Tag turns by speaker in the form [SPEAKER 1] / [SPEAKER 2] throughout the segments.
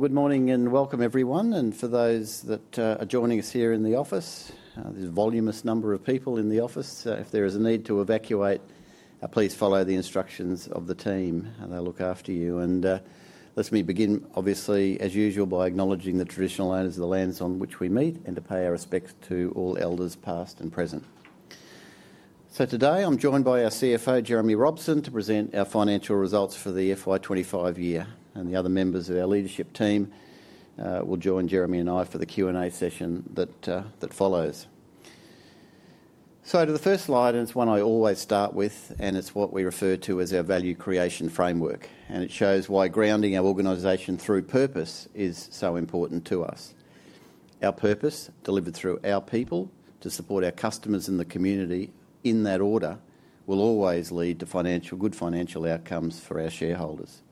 [SPEAKER 1] Good morning and welcome everyone. For those that are joining us here in the office, there's a voluminous number of people in the office. If there is a need to evacuate, please follow the instructions of the team and they'll look after you. Let me begin, obviously, as usual, by acknowledging the traditional owners of the lands on which we meet and to pay our respects to all elders past and present. Today I'm joined by our CFO, Jeremy Robson, to present our financial results for the FY 2025 year. The other members of our leadership team will join Jeremy and I for the Q&A session that follows. The first slide is one I always start with, and it's what we refer to as our Value Creation Framework. It shows why grounding our organization through purpose is so important to us. Our purpose, delivered through our people to support our customers and the community in that order, will always lead to good financial outcomes for our shareholders.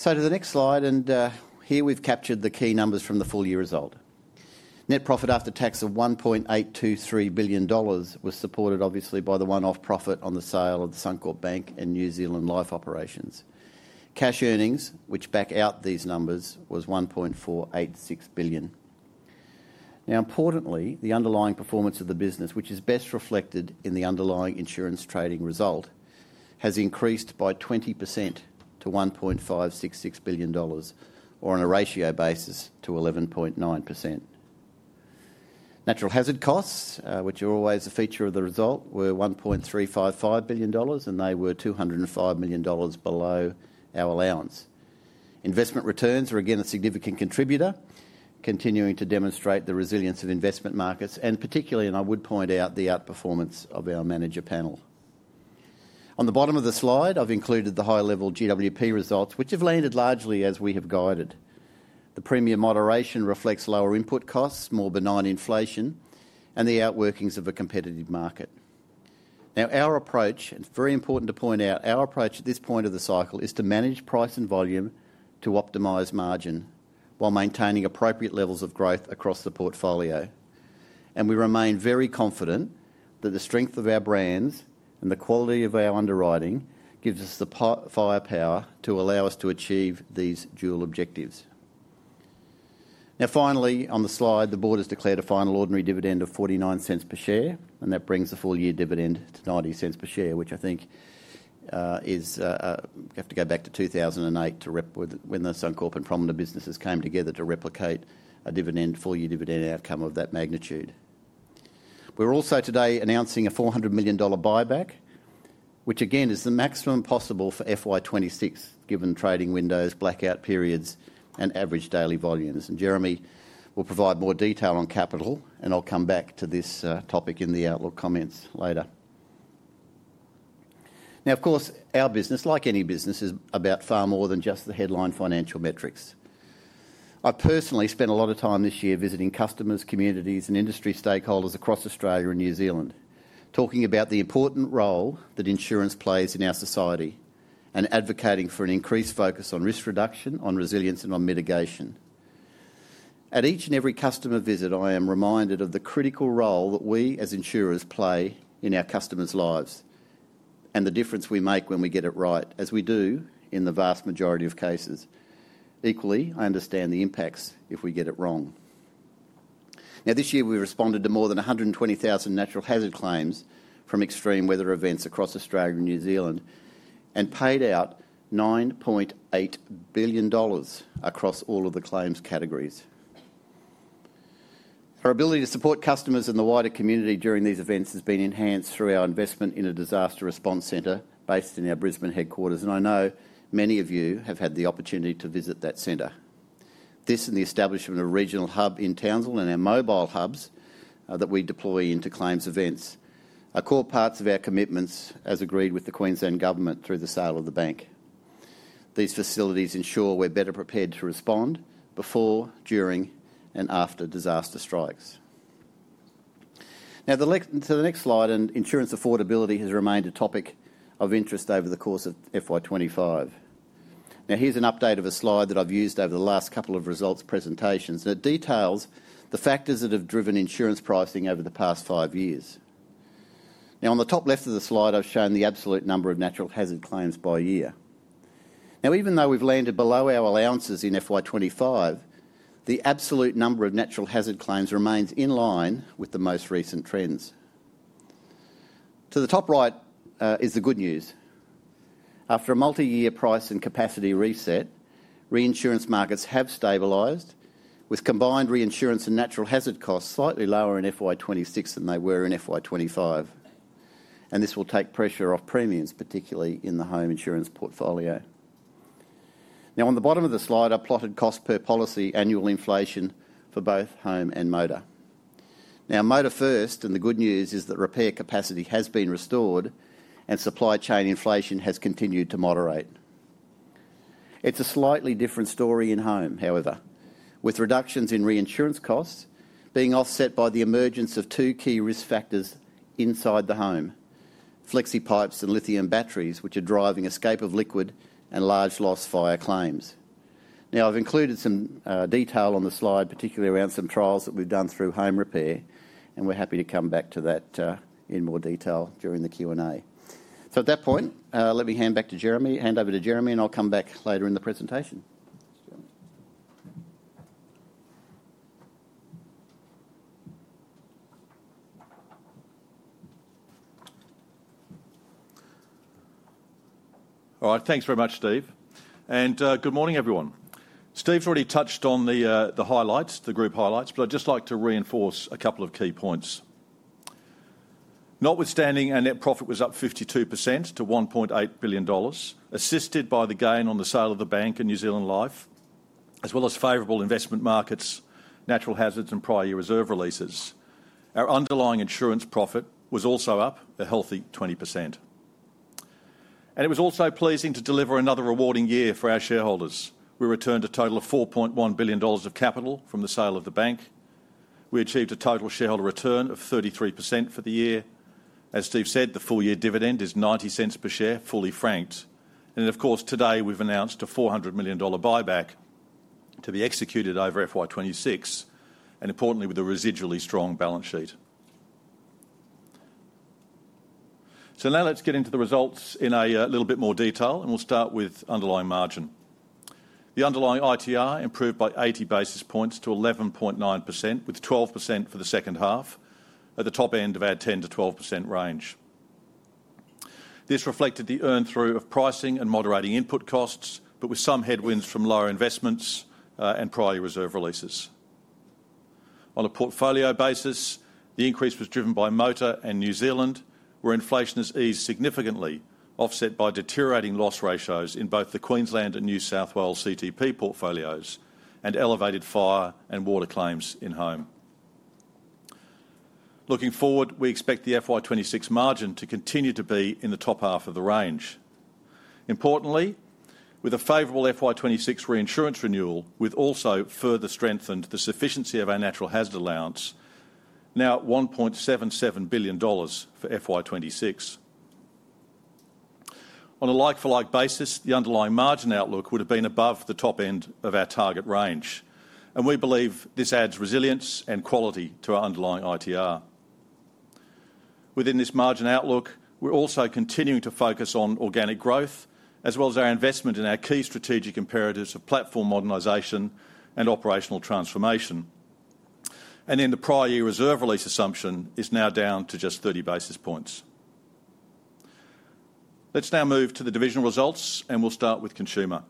[SPEAKER 1] To the next slide, here we've captured the key numbers from the full year result. Net profit after tax of 1.823 billion dollars was supported, obviously, by the one-off profit on the sale of the Suncorp Bank and New Zealand Life operations. Cash earnings, which back out these numbers, was 1.486 billion. Importantly, the underlying performance of the business, which is best reflected in the underlying insurance trading result, has increased by 20% to 1.566 billion dollars, or on a ratio basis to 11.9%. Natural hazard costs, which are always a feature of the result, were 1.355 billion dollars, and they were 205 million dollars below our allowance. Investment returns were again a significant contributor, continuing to demonstrate the resilience of investment markets, and particularly, I would point out, the outperformance of our manager panel. On the bottom of the slide, I've included the high-level GWP results, which have landed largely as we have guided. The premium moderation reflects lower input costs, more benign inflation, and the outworkings of a competitive market. Our approach, and it's very important to point out, our approach at this point of the cycle is to manage price and volume to optimize margin while maintaining appropriate levels of growth across the portfolio. We remain very confident that the strength of our brands and the quality of our underwriting gives us the firepower to allow us to achieve these dual objectives. Now, finally, on the slide, the Board has declared a final ordinary dividend of 0.49 per share, and that brings the full year dividend to 0.90 per share, which I think is, you have to go back to 2008 to when the Suncorp and prominent businesses came together to replicate a full year dividend outcome of that magnitude. We're also today announcing a 400 million dollar buyback, which again is the maximum possible for FY 2026, given trading windows, blackout periods, and average daily volumes. Jeremy will provide more detail on capital, and I'll come back to this topic in the Outlook comments later. Of course, our business, like any business, is about far more than just the headline financial metrics. I personally spent a lot of time this year visiting customers, communities, and industry stakeholders across Australia and New Zealand, talking about the important role that insurance plays in our society and advocating for an increased focus on risk reduction, on resilience, and on mitigation. At each and every customer visit, I am reminded of the critical role that we as insurers play in our customers' lives and the difference we make when we get it right, as we do in the vast majority of cases. Equally, I understand the impacts if we get it wrong. This year we responded to more than 120,000 natural hazard claims from extreme weather events across Australia and New Zealand and paid out 9.8 billion dollars across all of the claims categories. Our ability to support customers in the wider community during these events has been enhanced through our investment in a disaster response centre based in our Brisbane headquarters, and I know many of you have had the opportunity to visit that centre. This and the establishment of a regional hub in Townsville and our mobile hubs that we deploy into claims events are core parts of our commitments, as agreed with the Queensland Government through the sale of the bank. These facilities ensure we're better prepared to respond before, during, and after disaster strikes. Now, to the next slide, insurance affordability has remained a topic of interest over the course of FY 2025. Here's an update of a slide that I've used over the last couple of results presentations that details the factors that have driven insurance pricing over the past five years. On the top left of the slide, I've shown the absolute number of natural hazard claims by year. Now, even though we've landed below our allowances in FY 2025, the absolute number of natural hazard claims remains in line with the most recent trends. To the top right is the good news. After a multi-year price and capacity reset, reinsurance markets have stabilized, with combined reinsurance and natural hazard costs slightly lower in FY 2026 than they were in FY 2025. This will take pressure off premiums, particularly in the home insurance portfolio. On the bottom of the slide, I've plotted cost per policy annual inflation for both Home and Motor. Motor first, and the good news is that repair capacity has been restored and supply chain inflation has continued to moderate. It's a slightly different story in Home, however, with reductions in reinsurance costs being offset by the emergence of two key risk factors inside the home: flexi pipes and lithium batteries, which are driving escape of liquid and large loss fire claims. I've included some detail on the slide, particularly around some trials that we've done through home repair, and we're happy to come back to that in more detail during the Q&A. At that point, let me hand back to Jeremy, hand over to Jeremy, and I'll come back later in the presentation.
[SPEAKER 2] All right, thanks very much, Steve. Good morning, everyone. Steve's already touched on the highlights, the group highlights, but I'd just like to reinforce a couple of key points. Notwithstanding, our net profit was up 52% to 1.8 billion dollars, assisted by the gain on the sale of the bank and New Zealand Life, as well as favorable investment markets, Natural Hazards, and prior year reserve releases. Our underlying insurance profit was also up a healthy 20%. It was also pleasing to deliver another rewarding year for our shareholders. We returned a total of 4.1 billion dollars of capital from the sale of the bank. We achieved a total shareholder return of 33% for the year. As Steve said, the full year dividend is 0.90 per share, fully franked. Of course, today we've announced a AUD 400 million buyback to be executed over FY 2026, and importantly, with a residually strong balance sheet. Now let's get into the results in a little bit more detail, and we'll start with underlying margin. The underlying ITR improved by 80 basis points to 11.9%, with 12% for the second half at the top end of our 10%-12% range. This reflected the earned through of pricing and moderating input costs, but with some headwinds from lower investments and prior year reserve releases. On a portfolio basis, the increase was driven by Motor and New Zealand, where inflation has eased significantly, offset by deteriorating loss ratios in both the Queensland and New South Wales CPT portfolios and elevated fire and water claims in home. Looking forward, we expect the FY 2026 margin to continue to be in the top half of the range. Importantly, with a favorable FY 2026 reinsurance renewal, we've also further strengthened the sufficiency of our natural hazard allowance, now at 1.77 billion dollars for FY 2026. On a like-for-like basis, the underlying margin outlook would have been above the top end of our target range, and we believe this adds resilience and quality to our underlying ITR. Within this margin outlook, we're also continuing to focus on organic growth, as well as our investment in our key strategic imperatives of platform modernization and operational transformation. The prior year reserve release assumption is now down to just 30 basis points. Let's now move to the divisional results, and we'll start with consumer.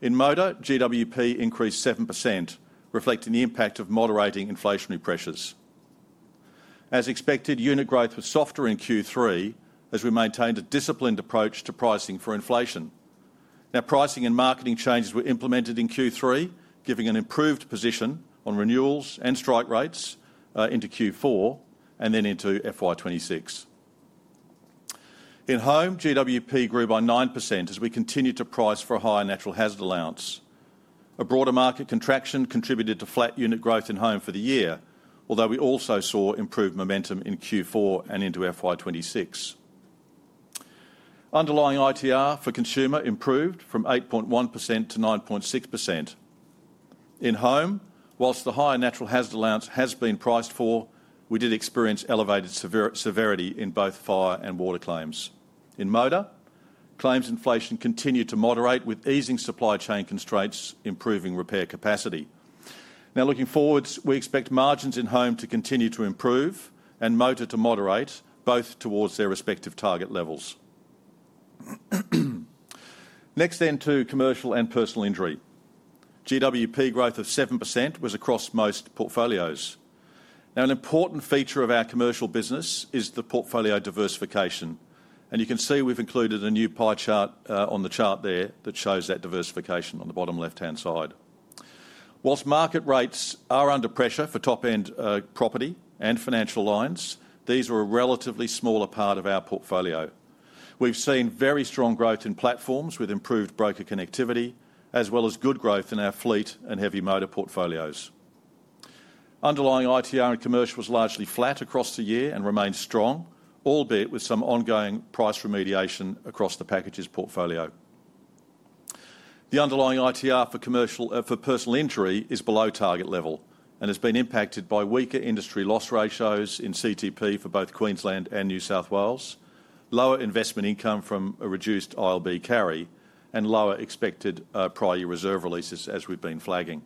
[SPEAKER 2] In Motor, gross written premium increased 7%, reflecting the impact of moderating inflationary pressures. As expected, unit growth was softer in Q3 as we maintained a disciplined approach to pricing for inflation. Pricing and marketing changes were implemented in Q3, giving an improved position on renewals and strike rates into Q4 and then into FY 2026. In home, GWP grew by 9% as we continued to price for a higher natural hazard allowance. A broader market contraction contributed to flat unit growth in home for the year, although we also saw improved momentum in Q4 and into FY 2026. Underlying ITR for consumer improved from 8.1% to 9.6%. In Home, whilst the higher Natural Hazard allowance has been priced for, we did experience elevated severity in both fire and water claims. In Motor, claims inflation continued to moderate with easing supply chain constraints, improving repair capacity. Looking forward, we expect margins in home to continue to improve and Motor to moderate, both towards their respective target levels. Next, to Commercial and Personal Injury. GWP growth of 7% was across most portfolios. An important feature of our Commercial business is the portfolio diversification. You can see we've included a new pie chart on the chart there that shows that diversification on the bottom left-hand side. Whilst market rates are under pressure for top-end property and financial lines, these were a relatively smaller part of our portfolio. We've seen very strong growth in platforms with improved broker connectivity, as well as good growth in our fleet and heavy motor portfolios. Underlying ITR in commercial was largely flat across the year and remains strong, albeit with some ongoing price remediation across the packages portfolio. The Underlying ITR for Personal Injury is below target level and has been impacted by weaker industry loss ratios in compulsory third party insurance for both Queensland and New South Wales, lower investment income from a reduced ILB carry, and lower expected prior year reserve releases, as we've been flagging.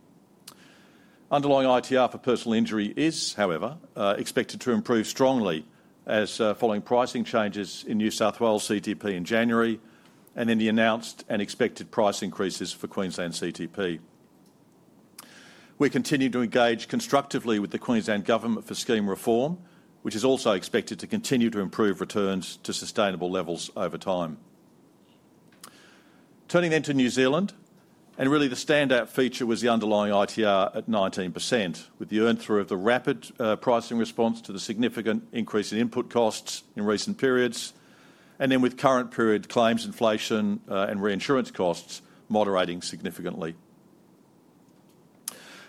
[SPEAKER 2] Underlying ITR for personal injury is, however, expected to improve strongly following pricing changes in New South Wales in January and in the announced and expected price increases for Queensland CTP. We continue to engage constructively with the Queensland Government for scheme reform, which is also expected to continue to improve returns to sustainable levels over time. Turning then to New Zealand, and really the standout feature was the underlying ITR at 19%, with the earned through of the rapid pricing response to the significant increase in input costs in recent periods, and then with current period claims inflation and reinsurance costs moderating significantly.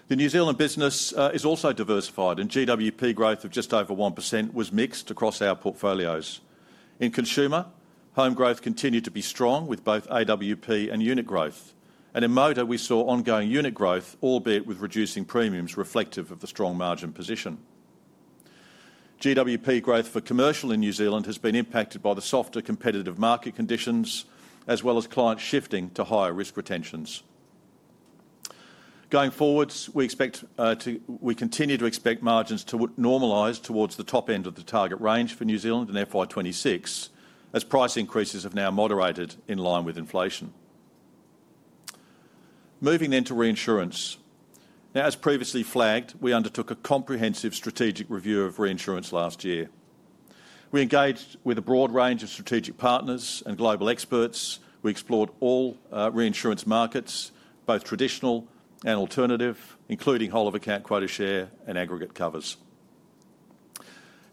[SPEAKER 2] The New Zealand business is also diversified, and GWP growth of just over 1% was mixed across our portfolios. In consumer, home growth continued to be strong with both AWP and unit growth. In Motor, we saw ongoing unit growth, albeit with reducing premiums reflective of the strong margin position. GWP growth for commercial in New Zealand has been impacted by the softer competitive market conditions, as well as clients shifting to higher risk retentions. Going forward, we continue to expect margins to normalize towards the top end of the target range for New Zealand in FY 2026, as price increases have now moderated in line with inflation. Moving then to reinsurance. As previously flagged, we undertook a comprehensive strategic review of reinsurance last year. We engaged with a broad range of strategic partners and global experts. We explored all reinsurance markets, both traditional and alternative, including whole of account quota share and aggregate covers.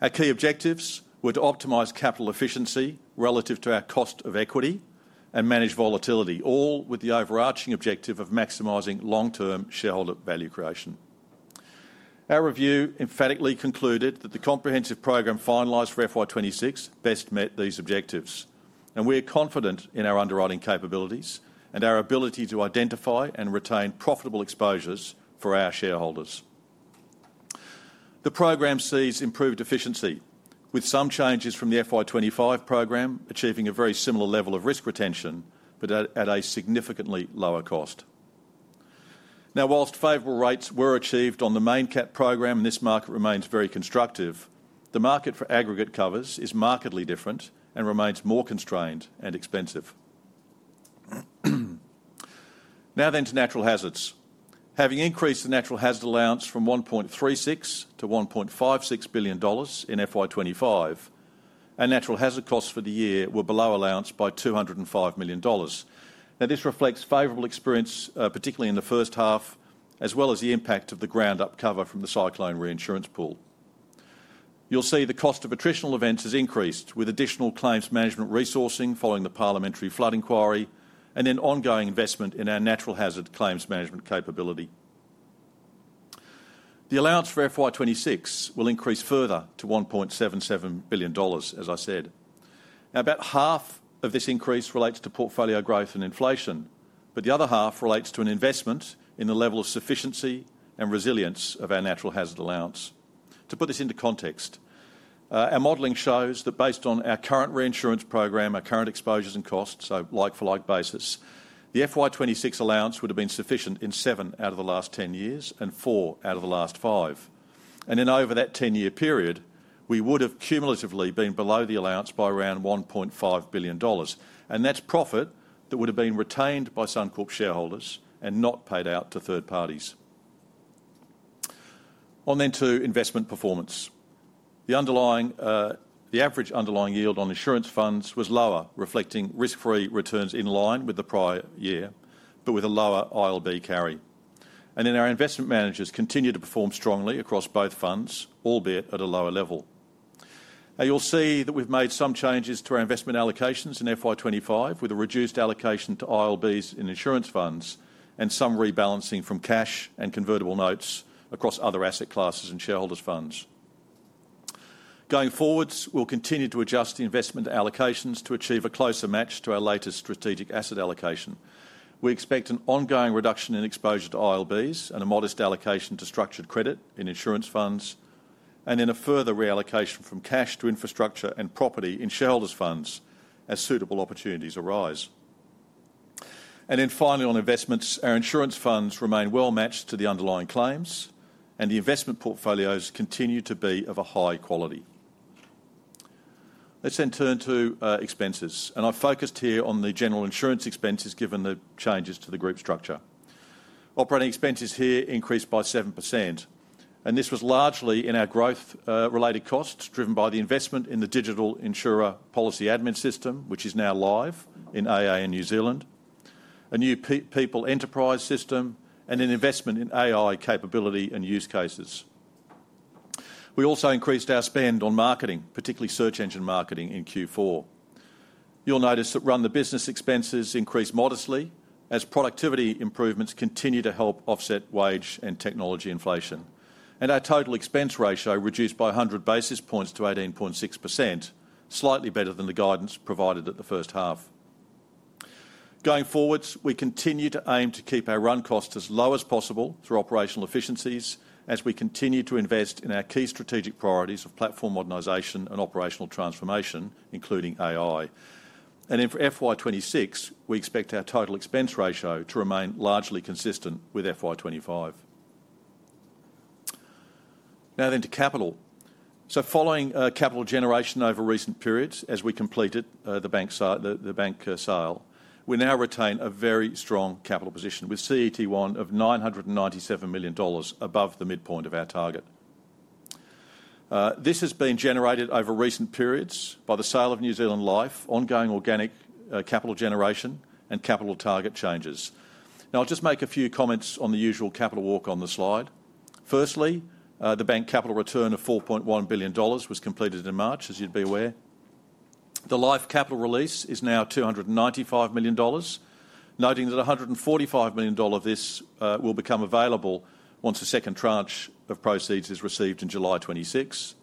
[SPEAKER 2] Our key objectives were to optimize capital efficiency relative to our cost of equity and manage volatility, all with the overarching objective of maximizing long-term shareholder value creation. Our review emphatically concluded that the comprehensive program finalized for FY 2026 best met these objectives. We are confident in our underwriting capabilities and our ability to identify and retain profitable exposures for our shareholders. The program sees improved efficiency, with some changes from the FY 2025 program achieving a very similar level of risk retention, but at a significantly lower cost. Whilst favorable rates were achieved on the main cap program and this market remains very constructive, the market for aggregate covers is markedly different and remains more constrained and expensive. Now then to natural hazards. Having increased the natural hazard allowance from 1.36 billion-1.56 billion dollars in FY2025 and natural hazard costs for the year were below allowance by 205 million dollars. This reflects favorable experience, particularly in the first half, as well as the impact of the ground-up cover from the cyclone reinsurance pool. You'll see the cost of attritional events has increased with additional claims management resourcing following the parliamentary flood inquiry, and ongoing investment in our natural hazard claims management capability. The allowance for FY 2026 will increase further to 1.77 billion dollars, as I said. About half of this increase relates to portfolio growth and inflation, but the other half relates to an investment in the level of sufficiency and resilience of our natural hazard allowance. To put this into context, our modeling shows that based on our current reinsurance program, our current exposures and costs, so on a like-for-like basis, the FY 2026 allowance would have been sufficient in seven out of the last 10 years and four out of the last five. Over that 10-year period, we would have cumulatively been below the allowance by around 1.5 billion dollars. That's profit that would have been retained by Suncorp shareholders and not paid out to third parties. On to investment performance. The average underlying yield on insurance funds was lower, reflecting risk-free returns in line with the prior year, but with a lower ILB carry. Our investment managers continue to perform strongly across both funds, albeit at a lower level. You'll see that we've made some changes to our investment allocations in FY 2025 with a reduced allocation to ILBs in insurance funds and some rebalancing from cash and convertible notes across other asset classes and shareholders' funds. Going forward, we'll continue to adjust investment allocations to achieve a closer match to our latest strategic asset allocation. We expect an ongoing reduction in exposure to ILBs and a modest allocation to structured credit in insurance funds, and a further reallocation from cash to infrastructure and property in shareholders' funds as suitable opportunities arise. Finally, on investments, our insurance funds remain well matched to the underlying claims, and the investment portfolios continue to be of a high quality. Let's turn to expenses. I've focused here on the general insurance expenses given the changes to the group structure. Operating expenses here increased by 7%. This was largely in our growth-related costs driven by the investment in the digital insurer policy admin system, which is now live in AA in New Zealand, a new People Enterprise system, and an investment in AI capability and use cases. We also increased our spend on marketing, particularly search engine marketing in Q4. You'll notice that run the business expenses increased modestly as productivity improvements continue to help offset wage and technology inflation. Our total expense ratio reduced by 100 basis points to 18.6%, slightly better than the guidance provided at the first half. Going forward, we continue to aim to keep our run costs as low as possible through operational efficiencies as we continue to invest in our key strategic priorities of platform modernization and operational transformation, including AI. In FY 2026, we expect our total expense ratio to remain largely consistent with FY 2025. Now then to capital. Following capital generation over recent periods, as we completed the bank sale, we now retain a very strong capital position with CET1 of 997 million dollars above the midpoint of our target. This has been generated over recent periods by the sale of New Zealand Life, ongoing organic capital generation, and capital target changes. I'll just make a few comments on the usual capital walk on the slide. Firstly, the bank capital return of 4.1 billion dollars was completed in March, as you'd be aware. The Life capital release is now 295 million dollars, noting that 145 million dollar of this will become available once the second tranche of proceeds is received on July 26.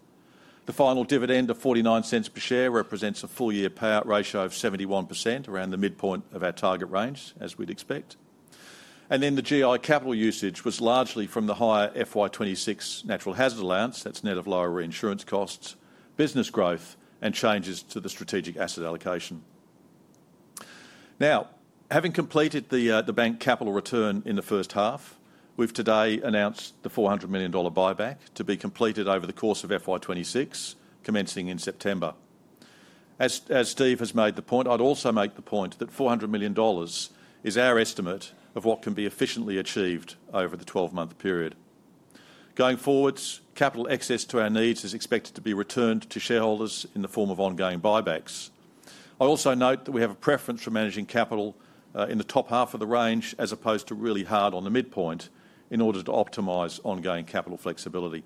[SPEAKER 2] The final dividend of 0.49 per share represents a full year payout ratio of 71% around the midpoint of our target range, as we'd expect. The GI Capital usage was largely from the higher FY 2026 natural hazard allowance, that's net of lower reinsurance costs, business growth, and changes to the strategic asset allocation. Having completed the bank capital return in the first half, we've today announced the 400 million dollar buyback to be completed over the course of FY 2026, commencing in September. As Steve has made the point, I'd also make the point that 400 million dollars is our estimate of what can be efficiently achieved over the 12-month period. Going forward, capital excess to our needs is expected to be returned to shareholders in the form of ongoing buybacks. I also note that we have a preference for managing capital in the top half of the range as opposed to really hard on the midpoint in order to optimize ongoing capital flexibility.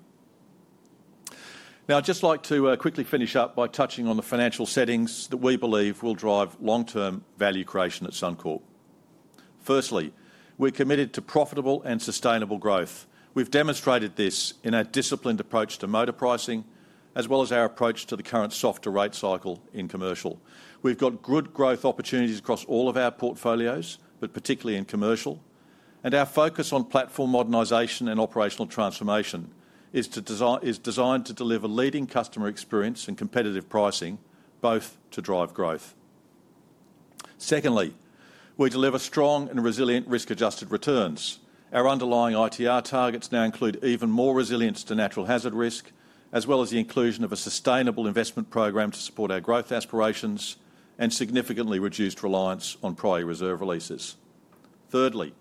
[SPEAKER 2] I'd just like to quickly finish up by touching on the financial settings that we believe will drive long-term value creation at Suncorp. Firstly, we're committed to profitable and sustainable growth. We've demonstrated this in our disciplined approach to motor pricing, as well as our approach to the current softer rate cycle in commercial. We've got good growth opportunities across all of our portfolios, particularly in commercial. Our focus on platform modernization and operational transformation is designed to deliver leading customer experience and competitive pricing, both to drive growth. Secondly, we deliver strong and resilient risk-adjusted returns. Our Underlying ITR targets now include even more resilience to natural hazard risk, as well as the inclusion of a sustainable investment program to support our growth aspirations and significantly reduced reliance on prior year reserve releases. Thirdly,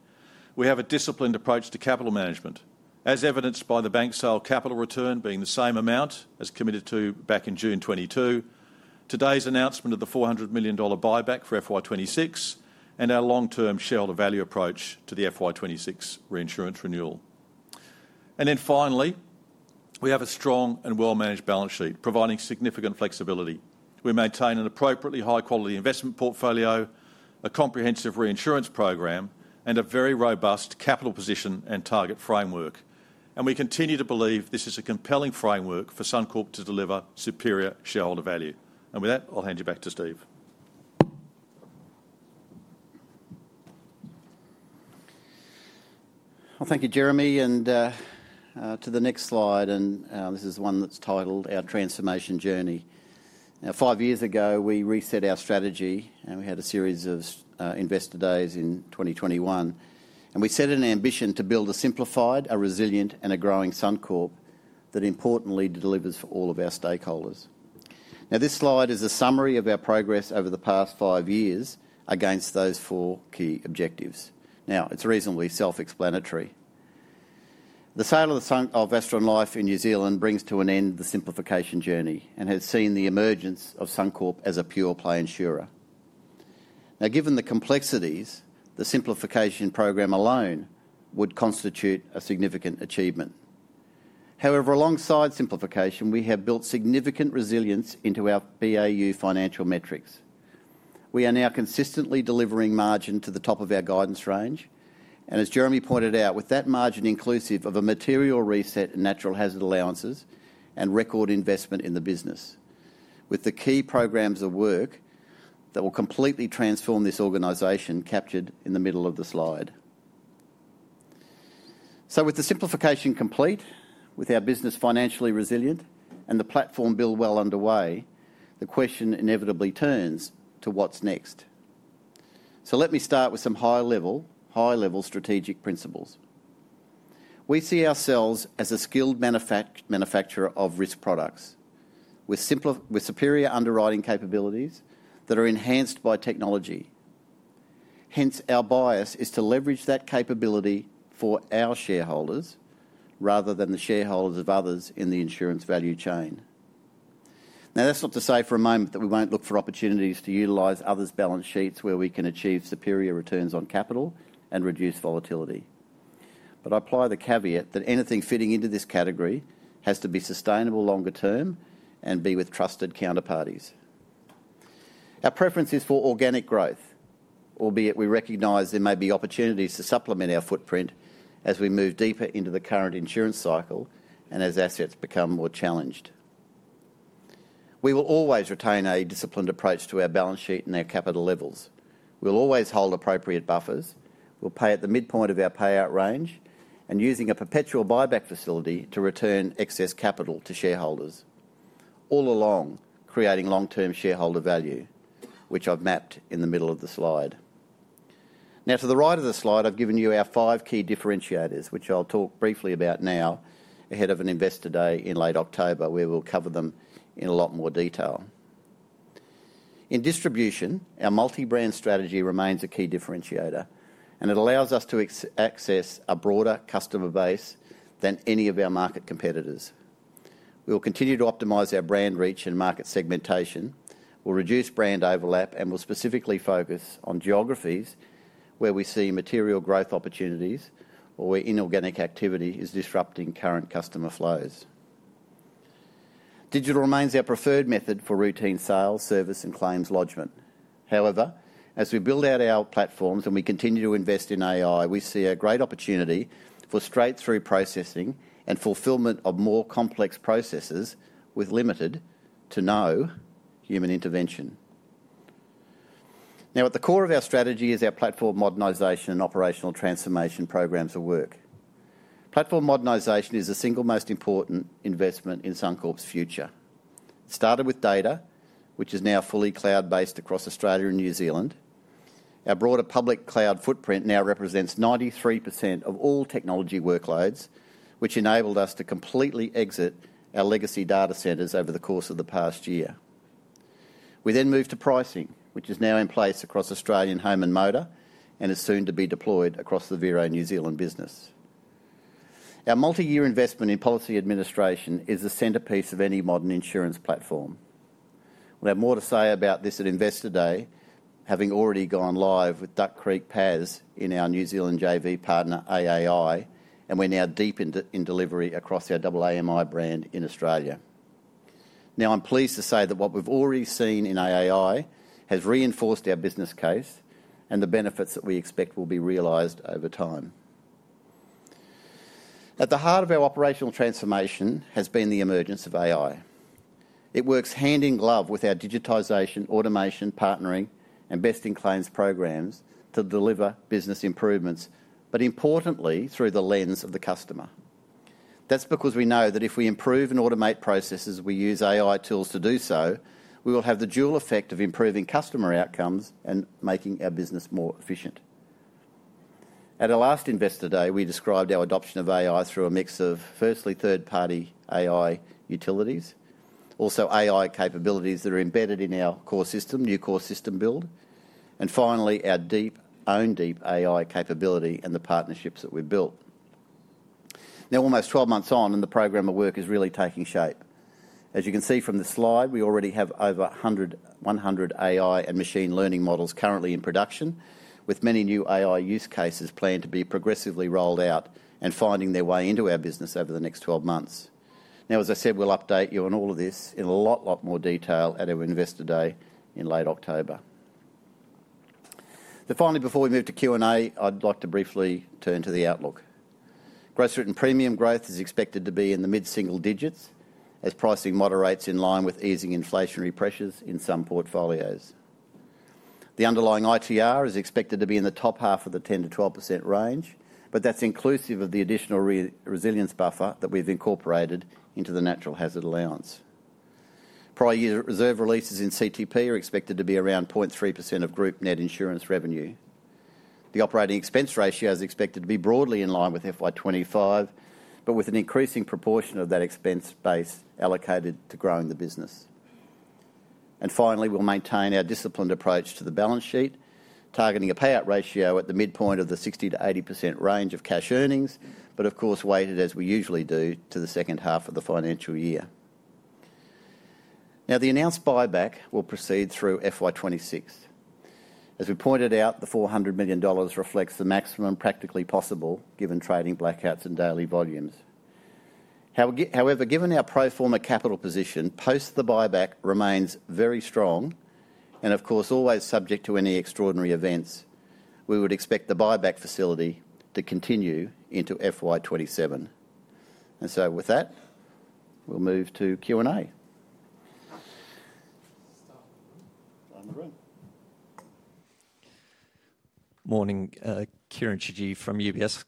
[SPEAKER 2] we have a disciplined approach to capital management, as evidenced by the bank sale capital return being the same amount as committed to back in June 2022, today's announcement of the 400 million dollar buyback for FY 2026, and our long-term shareholder value approach to the FY 2026 reinsurance renewal. Finally, we have a strong and well-managed balance sheet, providing significant flexibility. We maintain an appropriately high-quality investment portfolio, a comprehensive reinsurance program, and a very robust capital position and target framework. We continue to believe this is a compelling framework for Sunc to deliver superior shareholder value. With that, I'll hand you back to Steve.
[SPEAKER 1] Thank you, Jeremy. To the next slide, this is one that's titled Our Transformation Journey. Five years ago, we reset our strategy, and we had a series of investor days in 2021. We set an ambition to build a simplified, resilient, and growing Suncorp that importantly delivers for all of our stakeholders. This slide is a summary of our progress over the past five years against those four key objectives. It's reasonably self-explanatory. The sale of Asteron Life in New Zealand brings to an end the simplification journey and has seen the emergence of Suncorp as a pure play insurer. Given the complexities, the simplification program alone would constitute a significant achievement. However, alongside simplification, we have built significant resilience into our BAU financial metrics. We are now consistently delivering margin to the top of our guidance range. As Jeremy pointed out, with that margin inclusive of a material reset in natural hazard allowances and record investment in the business, with the key programs of work that will completely transform this organization captured in the middle of the slide. With the simplification complete, our business financially resilient, and the platform build well underway, the question inevitably turns to what's next. Let me start with some high-level strategic principles. We see ourselves as a skilled manufacturer of risk products with superior underwriting capabilities that are enhanced by technology. Hence, our bias is to leverage that capability for our shareholders rather than the shareholders of others in the insurance value chain. That's not to say for a moment that we won't look for opportunities to utilize others' balance sheets where we can achieve superior returns on capital and reduce volatility. I apply the caveat that anything fitting into this category has to be sustainable longer term and be with trusted counterparties. Our preference is for organic growth, albeit we recognize there may be opportunities to supplement our footprint as we move deeper into the current insurance cycle and as assets become more challenged. We will always retain a disciplined approach to our balance sheet and our capital levels. We'll always hold appropriate buffers. We'll pay at the midpoint of our payout range and using a perpetual buyback facility to return excess capital to shareholders, all along creating long-term shareholder value, which I've mapped in the middle of the slide. Now, to the right of the slide, I've given you our five key differentiators, which I'll talk briefly about now ahead of an investor day in late October, where we'll cover them in a lot more detail. In distribution, our multi-brand strategy remains a key differentiator, and it allows us to access a broader customer base than any of our market competitors. We'll continue to optimize our brand reach and market segmentation. We'll reduce brand overlap, and we'll specifically focus on geographies where we see material growth opportunities or where inorganic activity is disrupting current customer flows. Digital remains our preferred method for routine sales, service, and claims lodgement. However, as we build out our platforms and we continue to invest in AI, we see a great opportunity for straight-through processing and fulfillment of more complex processes with limited, to no, human intervention. At the core of our strategy is our platform modernization and operational transformation programs of work. Platform modernization is the single most important investment in Suncorp's future. Started with data, which is now fully cloud-based across Australia and New Zealand, our broader public cloud footprint now represents 93% of all technology workloads, which enabled us to completely exit our legacy data centers over the course of the past year. We then moved to pricing, which is now in place across Australian home and motor and is soon to be deployed across the Vero and New Zealand business. Our multi-year investment in policy administration is the centerpiece of any modern insurance platform. We'll have more to say about this at investor day, having already gone live with Duck Creek PAS in our New Zealand JV partner AAI, and we're now deepened in delivery across our AAMI brand in Australia. I'm pleased to say that what we've already seen in AAI has reinforced our business case and the benefits that we expect will be realized over time. At the heart of our operational transformation has been the emergence of AI. It works hand-in-glove with our digitization, automation, partnering, and best-in-claims programs to deliver business improvements, but importantly, through the lens of the customer. That's because we know that if we improve and automate processes, we use AI tools to do so, we will have the dual effect of improving customer outcomes and making our business more efficient. At our last investor day, we described our adoption of AI through a mix of firstly third-party AI utilities, also AI capabilities that are embedded in our core system, new core system build, and finally, our own deep AI capability and the partnerships that we've built. Now, almost 12 months on, and the program of work is really taking shape. As you can see from the slide, we already have over 100 AI and machine learning models currently in production, with many new AI use cases planned to be progressively rolled out and finding their way into our business over the next 12 months. As I said, we'll update you on all of this in a lot, lot more detail at our investor day in late October. Finally, before we move to Q&A, I'd like to briefly turn to the outlook. Gross written premium growth is expected to be in the mid-single digits as pricing moderates in line with easing inflationary pressures in some portfolios. The underlying ITR is expected to be in the top half of the 10%-12% range, but that's inclusive of the additional resilience buffer that we've incorporated into the natural hazard allowance. Prior year reserve releases in compulsory third party insurance are expected to be around 0.3% of group net insurance revenue. The operating expense ratio is expected to be broadly in line with FY 2025, with an increasing proportion of that expense base allocated to growing the business. Finally, we'll maintain our disciplined approach to the balance sheet, targeting a payout ratio at the midpoint of the 60%-80% range of cash earnings, weighted as we usually do to the second half of the financial year. The announced buyback will proceed through FY 2026. As we pointed out, the 400 million dollars reflects the maximum practically possible given trading blackouts and daily volumes. However, given our pro forma capital position, post the buyback remains very strong and, always subject to any extraordinary events, we would expect the buyback facility to continue into FY 2027. With that, we'll move to Q&A.
[SPEAKER 3] Morning, Kieren Chidgey from UBS.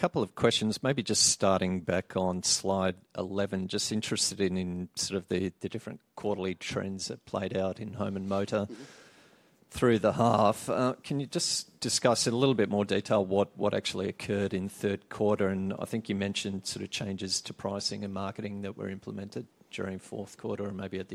[SPEAKER 3] A couple of questions, maybe just starting back on slide 11. Just interested in the different quarterly trends that played out in home and motor through the half. Can you discuss in a little bit more detail what actually occurred in third quarter? I think you mentioned changes to pricing and marketing that were implemented during fourth quarter and maybe at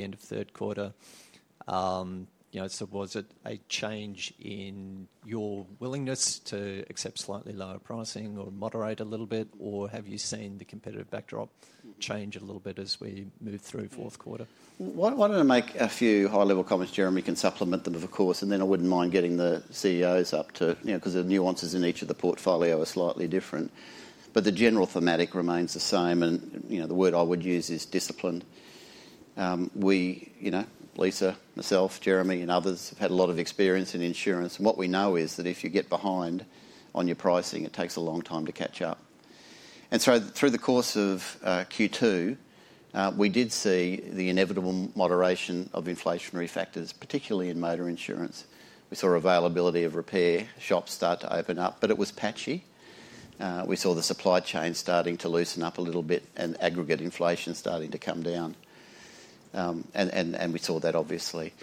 [SPEAKER 3] the end of third quarter. Was it a change in your willingness to accept slightly lower pricing or moderate a little bit, or have you seen the competitive backdrop change a little bit as we move through fourth quarter?
[SPEAKER 1] Why don't I make a few high-level comments? Jeremy can supplement them, of course, and then I wouldn't mind getting the CEOs up too, because the nuances in each of the portfolio are slightly different. The general thematic remains the same, and the word I would use is disciplined. Lisa, myself, Jeremy, and others have had a lot of experience in insurance, and what we know is that if you get behind on your pricing, it takes a long time to catch up. Through the course of Q2, we did see the inevitable moderation of inflationary factors, particularly in motor insurance. We saw availability of repair shops start to open up, but it was patchy. We saw the supply chain starting to loosen up a little bit and aggregate inflation starting to come down. We saw that, obviously.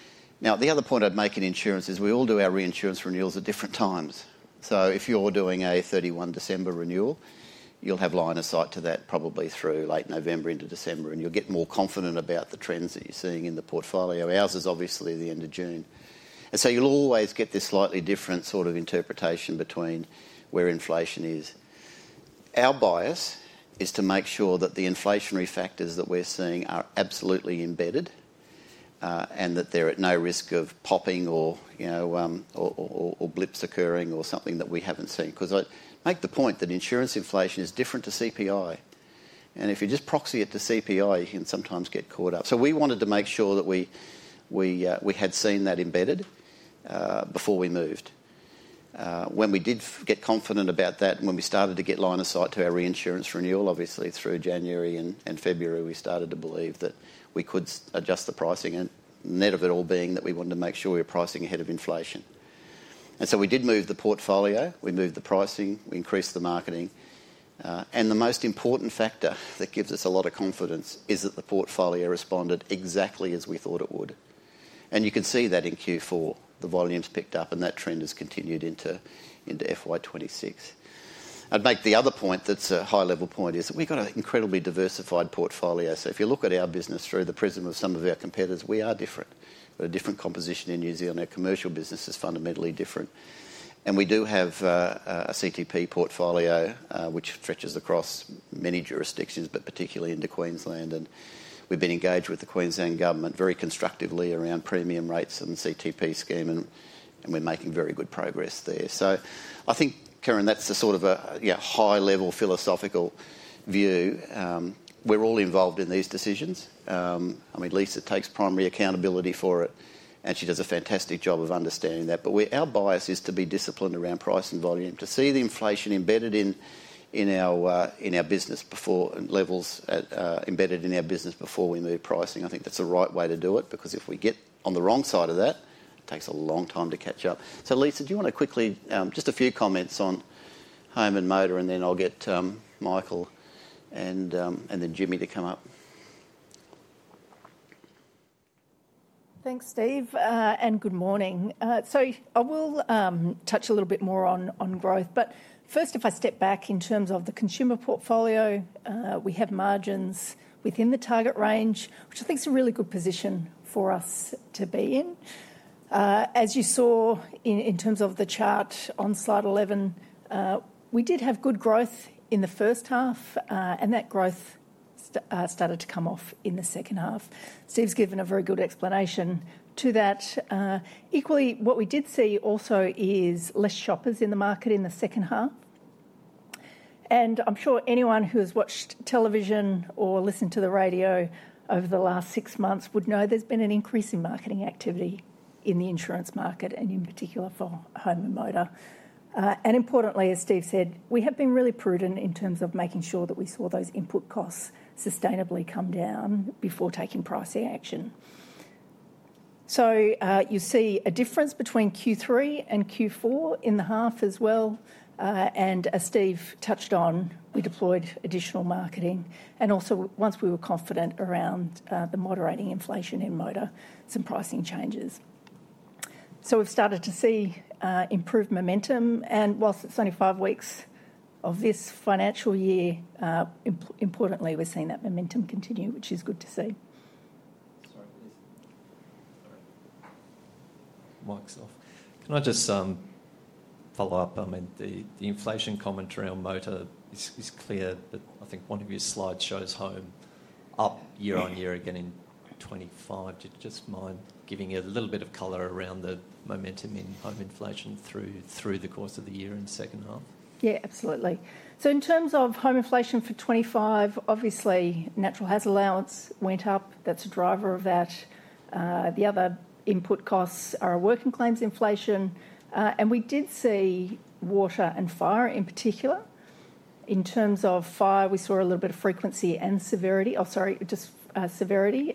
[SPEAKER 1] The other point I'd make in insurance is we all do our reinsurance renewals at different times. If you're doing a 31 December renewal, you'll have line of sight to that probably through late November into December, and you'll get more confident about the trends that you're seeing in the portfolio. Ours is obviously the end of June. You'll always get this slightly different sort of interpretation between where inflation is. Our bias is to make sure that the inflationary factors that we're seeing are absolutely embedded and that they're at no risk of popping or blips occurring or something that we haven't seen. I make the point that insurance inflation is different to CPI. If you just proxy it to CPI, you can sometimes get caught up. We wanted to make sure that we had seen that embedded before we moved. When we did get confident about that and when we started to get line of sight to our reinsurance renewal, obviously through January and February, we started to believe that we could adjust the pricing. Net of it all being that we wanted to make sure we were pricing ahead of inflation. We did move the portfolio, we moved the pricing, we increased the marketing. The most important factor that gives us a lot of confidence is that the portfolio responded exactly as we thought it would. You can see that in Q4, the volumes picked up and that trend has continued into FY 2026. I'd make the other point that's a high-level point is that we've got an incredibly diversified portfolio. If you look at our business through the prism of some of our competitors, we are different. We're a different composition in New Zealand. Our commercial business is fundamentally different. We do have a compulsory third party insurance portfolio, which stretches across many jurisdictions, particularly into Queensland. We've been engaged with the Queensland Government very constructively around premium rates and the compulsory third party insurance scheme, and we're making very good progress there. I think, Kieren, that's a sort of high-level philosophical view. We're all involved in these decisions. Lisa takes primary accountability for it, and she does a fantastic job of understanding that. Our bias is to be disciplined around price and volume, to see the inflation embedded in our business before and levels embedded in our business before we move pricing. I think that's the right way to do it because if we get on the wrong side of that, it takes a long time to catch up. Lisa, do you want to quickly, just a few comments on home and motor, and then I'll get Michael and then Jimmy to come up?
[SPEAKER 4] Thanks, Steve, and good morning. I will touch a little bit more on growth. First, if I step back in terms of the consumer portfolio, we have margins within the target range, which I think is a really good position for us to be in. As you saw in terms of the chart on slide 11, we did have good growth in the first half, and that growth started to come off in the second half. Steve's given a very good explanation to that. Equally, what we did see also is fewer shoppers in the market in the second half. I'm sure anyone who has watched television or listened to the radio over the last six months would know there's been an increase in marketing activity in the insurance market, and in particular for home and motor. Importantly, as Steve said, we have been really prudent in terms of making sure that we saw those input costs sustainably come down before taking pricing action. You see a difference between Q3 and Q4 in the half as well. As Steve touched on, we deployed additional marketing. Also, once we were confident around the moderating inflation in motor, some pricing changes. We've started to see improved momentum. Whilst it's only five weeks of this financial year, importantly, we're seeing that momentum continue, which is good to see.
[SPEAKER 3] Mike's off. Can I just follow up? I mean, the inflation commentary on motor is clear, but I think one of your slides shows home up year on year again in 2025. Do you just mind giving you a little bit of color around the momentum in home inflation through the course of the year in the second half?
[SPEAKER 4] Yeah, absolutely. In terms of home inflation for 2025, obviously, natural hazard allowance went up. That's a driver of that. The other input costs are working claims inflation. We did see water and fire in particular. In terms of fire, we saw just severity.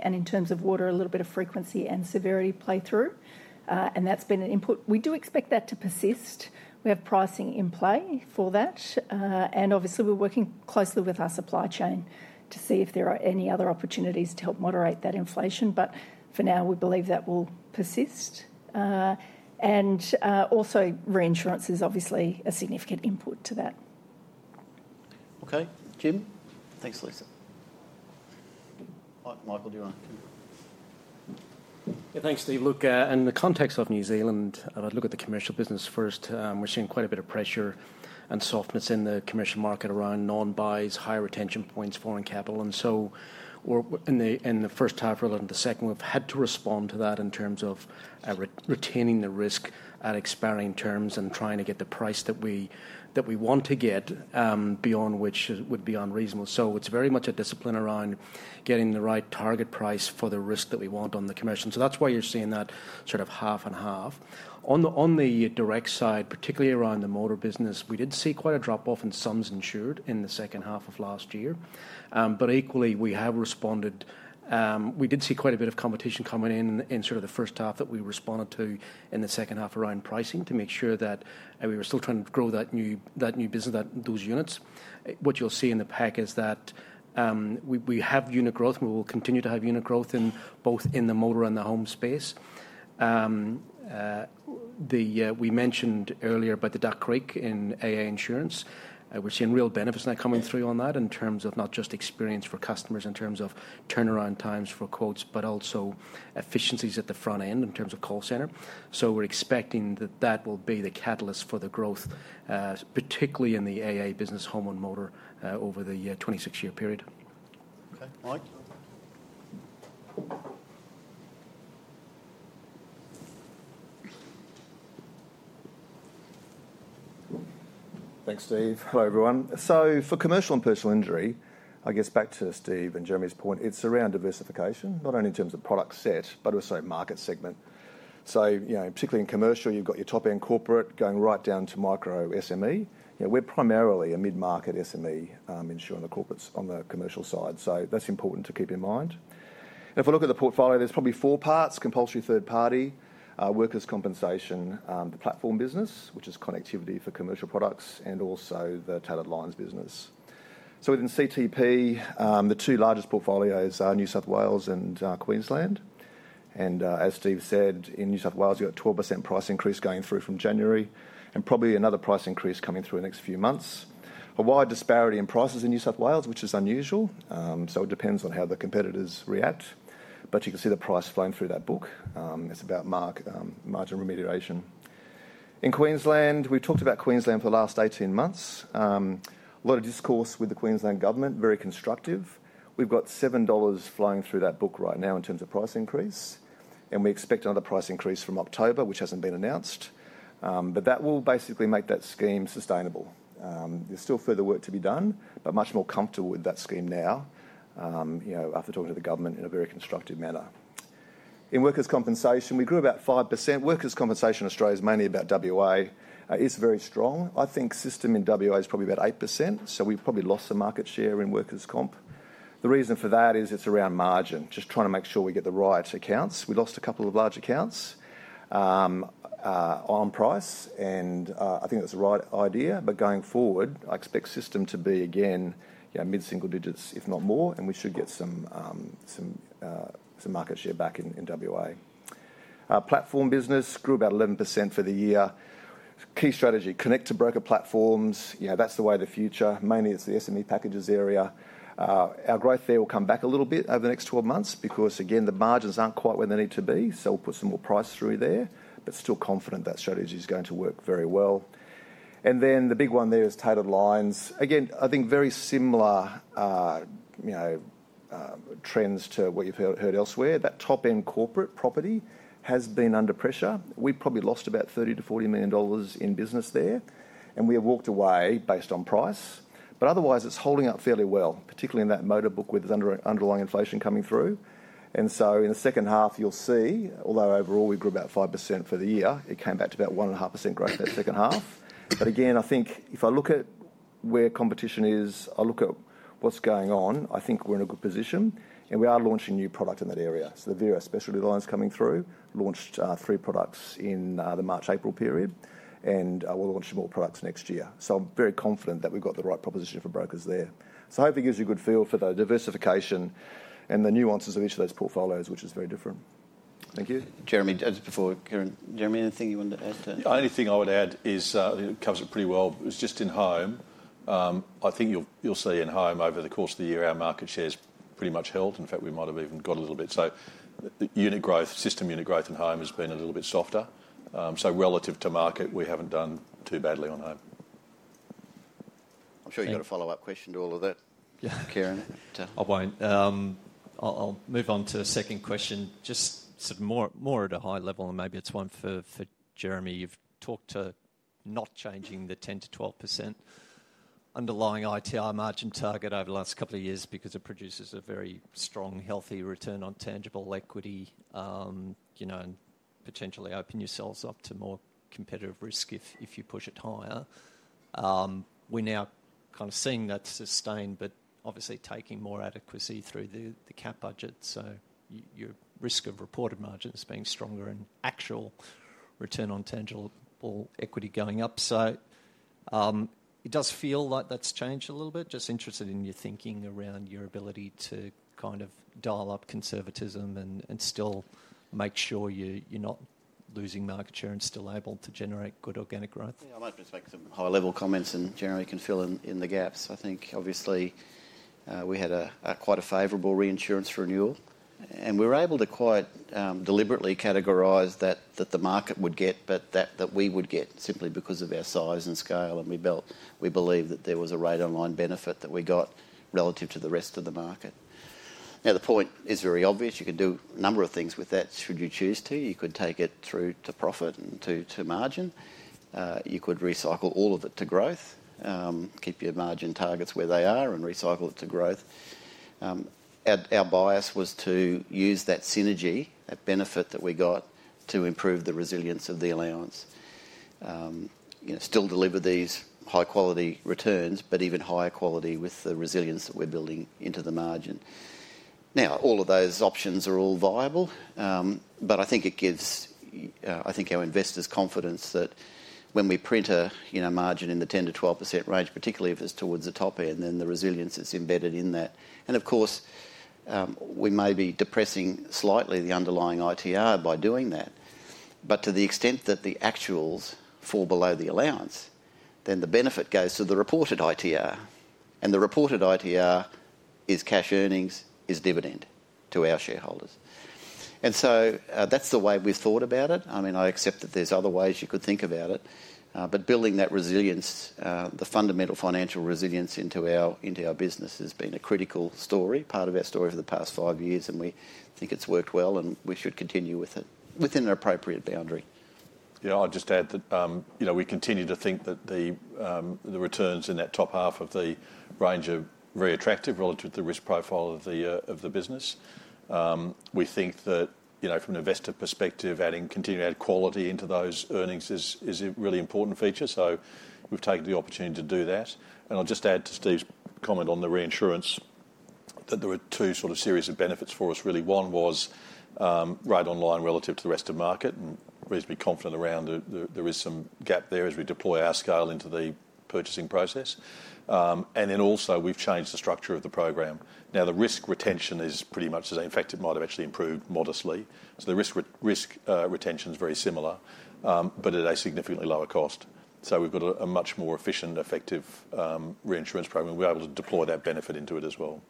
[SPEAKER 4] In terms of water, a little bit of frequency and severity play through, and that's been an input. We do expect that to persist. We have pricing in play for that. We're working closely with our supply chain to see if there are any other opportunities to help moderate that inflation. For now, we believe that will persist. Also, reinsurance is obviously a significant input to that.
[SPEAKER 1] Okay, Kim. Thanks, Lisa. Michael, do you want to?
[SPEAKER 5] Yeah, thanks, Steve. Look, in the context of New Zealand, if I look at the commercial business first, we're seeing quite a bit of pressure and softness in the commercial market around non-buys, high retention points, foreign capital. In the first half, rather than the second, we've had to respond to that in terms of retaining the risk at expiring terms and trying to get the price that we want to get, beyond which would be unreasonable. It's very much a discipline around getting the right target price for the risk that we want on the commercial. That's why you're seeing that sort of half and half. On the direct side, particularly around the motor business, we did see quite a drop-off in sums insured in the second half of last year. Equally, we have responded. We did see quite a bit of competition coming in in the first half that we responded to in the second half around pricing to make sure that we were still trying to grow that new business, those units. What you'll see in the pack is that we have unit growth and we will continue to have unit growth in both the motor and the home space. We mentioned earlier about the Duck Creek in AA Insurance. We're seeing real benefits now coming through on that in terms of not just experience for customers in terms of turnaround times for quotes, but also efficiencies at the front end in terms of call center. We're expecting that that will be the catalyst for the growth, particularly in the AA business, home and motor, over the 2026-year period.
[SPEAKER 1] Okay, Mike.
[SPEAKER 6] Thanks, Steve. Hello everyone. For commercial and personal injury, I guess back to Steve and Jeremy's point, it's around diversification, not only in terms of product set, but also market segment. Particularly in commercial, you've got your top-end corporate going right down to micro SME. We're primarily a mid-market SME insuring the corporates on the commercial side. That's important to keep in mind. If we look at the portfolio, there's probably four parts: compulsory third party, workers' compensation, the platform business, which is connectivity for commercial products, and also the tattered lines business. Within CTP, the two largest portfolios are New South Wales and Queensland. As Steve said, in New South Wales, you've got a 12% price increase going through from January and probably another price increase coming through in the next few months. A wide disparity in prices in New South Wales, which is unusual. It depends on how the competitors react, but you can see the price flowing through that book. It's about margin remediation. In Queensland, we've talked about Queensland for the last 18 months. A lot of discourse with the Queensland government, very constructive. We've got 7 dollars flowing through that book right now in terms of price increase, and we expect another price increase from October, which hasn't been announced. That will basically make that scheme sustainable. There's still further work to be done, but much more comfortable with that scheme now after talking to the government in a very constructive manner. In workers' compensation, we grew about 5%. Workers' compensation in Australia is mainly about WA. It's very strong. I think system in WA is probably about 8%. We've probably lost some market share in workers' compensation. The reason for that is it's around margin, just trying to make sure we get the right accounts. We lost a couple of large accounts on price, and I think that's the right idea. Going forward, I expect system to be again mid-single digits, if not more. We should get some market share back in WA. Platform business grew about 11% for the year. Key strategy, connect to broker platforms. That's the way of the future. Mainly, it's the SME packages area. Our growth there will come back a little bit over the next 12 months because, again, the margins aren't quite where they need to be. We'll put some more price through there. Still confident that strategy is going to work very well. The big one there is tattered lines. I think very similar trends to what you've heard elsewhere. That top-end corporate property has been under pressure. We've probably lost about 30 million-40 million dollars in business there. We have walked away based on price. Otherwise, it's holding up fairly well, particularly in that motor book with the underlying inflation coming through. In the second half, you'll see, although overall we grew about 5% for the year, it came back to about 1.5% growth that second half. I think if I look at where competition is, I look at what's going on, I think we're in a good position. We are launching new products in that area. The Vero specialty lines coming through, launched three products in the March-April period. We're launching more products next year. I'm very confident that we've got the right proposition for brokers there. Hopefully it gives you a good feel for the diversification and the nuances of each of those portfolios, which is very different.
[SPEAKER 1] Thank you. Jeremy, just before Kieren, Jeremy, anything you wanted to add to that?
[SPEAKER 2] The only thing I would add is, I think it covers it pretty well, is just in home. I think you'll see in home over the course of the year, our market share's pretty much held. In fact, we might have even got a little bit. The unit growth, system unit growth in home has been a little bit softer. Relative to market, we haven't done too badly on home.
[SPEAKER 1] I'm sure you've got a follow-up question to all of that.
[SPEAKER 3] Yeah,
[SPEAKER 6] Kieran.
[SPEAKER 3] I'll move on to the second question. Just sort of more at a high level, and maybe it's one for Jeremy. You've talked to not changing the 10%-12% underlying ITR margin target over the last couple of years because it produces a very strong, healthy return on tangible equity, you know, and potentially open yourselves up to more competitive risk if you push it higher. We're now kind of seeing that sustained, obviously taking more adequacy through the cap budget. Your risk of reported margins being stronger and actual return on tangible equity going up. It does feel like that's changed a little bit. Just interested in your thinking around your ability to kind of dial up conservatism and still make sure you're not losing market share and still able to generate good organic growth.
[SPEAKER 1] Yeah. I'd like to just make some high-level comments and Jeremy can fill in the gaps. I think obviously we had quite a favorable reinsurance renewal. We were able to quite deliberately categorize that the market would get, but that we would get simply because of our size and scale. We believe that there was a rate-online benefit that we got relative to the rest of the market. The point is very obvious. You could do a number of things with that should you choose to. You could take it through to profit and to margin. You could recycle all of it to growth, keep your margin targets where they are, and recycle it to growth. Our bias was to use that synergy, that benefit that we got to improve the resilience of the allowance. Still deliver these high-quality returns, but even higher quality with the resilience that we're building into the margin. All of those options are all viable. I think it gives, I think our investors' confidence that when we print a margin in the 10%-12% range, particularly if it's towards the top end, then the resilience is embedded in that. Of course, we may be depressing slightly the Underlying ITR by doing that. To the extent that the actuals fall below the allowance, then the benefit goes to the reported ITR. The reported ITR is cash earnings, is dividend to our shareholders. That's the way we've thought about it. I accept that there's other ways you could think about it. Building that resilience, the fundamental financial resilience into our business has been a critical story, part of our story for the past five years. We think it's worked well and we should continue with it within an appropriate boundary.
[SPEAKER 2] I'll just add that, you know, we continue to think that the returns in that top half of the range are very attractive relative to the risk profile of the business. We think that, you know, from an investor perspective, adding continued add quality into those earnings is a really important feature. We've taken the opportunity to do that. I'll just add to Steve's comment on the reinsurance that there were two sort of series of benefits for us really. One was rate online relative to the rest of the market. We need to be confident around that there is some gap there as we deploy our scale into the purchasing process. Also we've changed the structure of the program. The risk retention is pretty much the same. In fact, it might have actually improved modestly. The risk retention is very similar, but at a significantly lower cost. We've got a much more efficient, effective reinsurance program. We're able to deploy that benefit into it as well.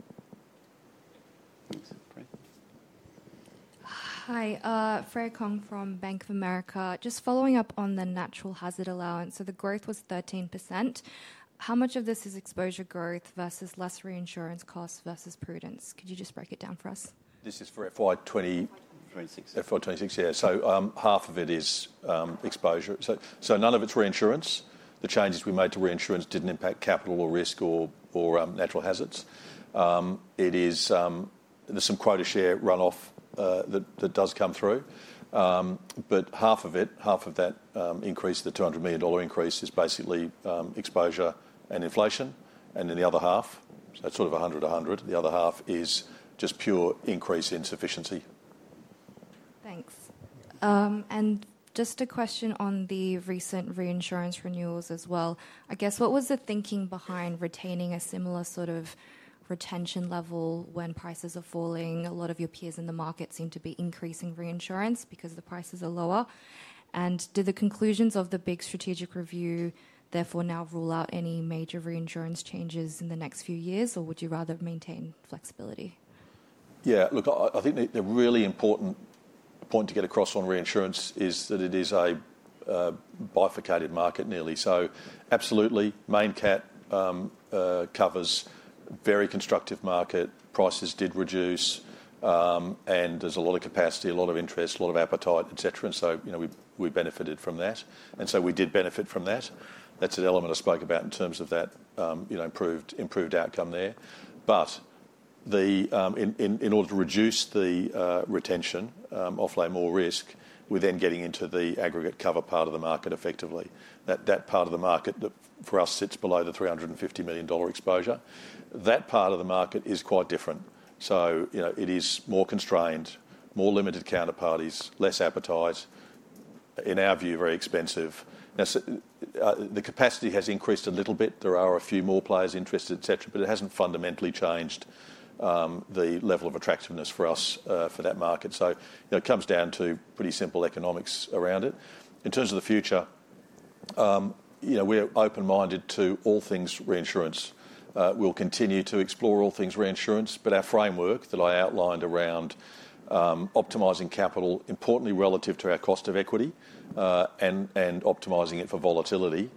[SPEAKER 7] Hi, Freya Kong from Bank of America. Just following up on the natural hazard allowance. The growth was 13%. How much of this is exposure growth versus less reinsurance costs versus prudence? Could you just break it down for us?
[SPEAKER 2] This is for FY
[SPEAKER 1] 2026.
[SPEAKER 2] FY 2026. Half of it is exposure. None of it's reinsurance. The changes we made to reinsurance didn't impact capital or risk or natural hazards. There's some quota share runoff that does come through. Half of that increase, the 200 million dollar increase, is basically exposure and inflation. The other half, that's sort of 100% to 100%. The other half is just pure increase in sufficiency.
[SPEAKER 7] Thanks. Just a question on the recent reinsurance renewals as well. What was the thinking behind retaining a similar sort of retention level when prices are falling? A lot of your peers in the market seem to be increasing reinsurance because the prices are lower. Do the conclusions of the big strategic review therefore now rule out any major reinsurance changes in the next few years, or would you rather maintain flexibility?
[SPEAKER 2] Yeah, look, I think the really important point to get across on reinsurance is that it is a bifurcated market nearly. Absolutely, main cap covers a very constructive market. Prices did reduce. There's a lot of capacity, a lot of interest, a lot of appetite, et cetera. We benefited from that. We did benefit from that. That's an element I spoke about in terms of that improved outcome there. In order to reduce the retention, offlay more risk, we're then getting into the aggregate cover part of the market effectively. That part of the market for us sits below the 350 million dollar exposure. That part of the market is quite different. It is more constrained, more limited counterparties, less appetite. In our view, very expensive. The capacity has increased a little bit. There are a few more players interested, et cetera, but it hasn't fundamentally changed the level of attractiveness for us for that market. It comes down to pretty simple economics around it. In terms of the future, we're open-minded to all things reinsurance. We'll continue to explore all things reinsurance, but our framework that I outlined around optimizing capital, importantly relative to our cost of equity, and optimizing it for volatility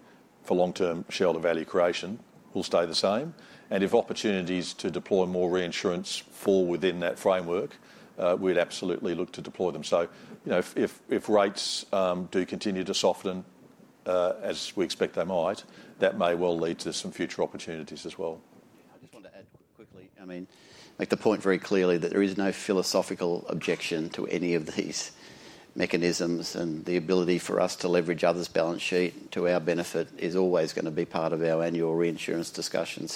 [SPEAKER 2] for long-term shareholder value creation, will stay the same. If opportunities to deploy more reinsurance fall within that framework, we'd absolutely look to deploy them. If rates do continue to soften, as we expect they might, that may well lead to some future opportunities as well.
[SPEAKER 1] I just wanted to add quickly, I mean, make the point very clearly that there is no philosophical objection to any of these mechanisms. The ability for us to leverage others' balance sheet to our benefit is always going to be part of our annual reinsurance discussion.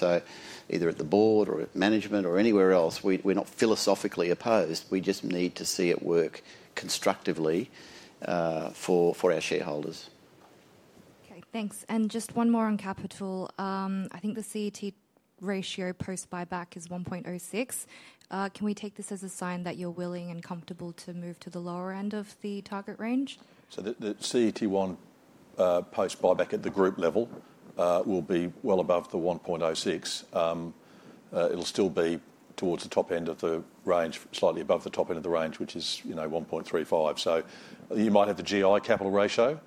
[SPEAKER 1] Either at the board or at management or anywhere else, we're not philosophically opposed. We just need to see it work constructively for our shareholders.
[SPEAKER 7] Okay, thanks. Just one more on capital. I think the CET1 ratio post-buyback is 1.06. Can we take this as a sign that you're willing and comfortable to move to the lower end of the target range?
[SPEAKER 2] The CET1 post-buyback at the group level will be well above the 1.06. It'll still be towards the top end of the range, slightly above the top end of the range, which is, you know, 1.35. You might have the GI Capital ratio,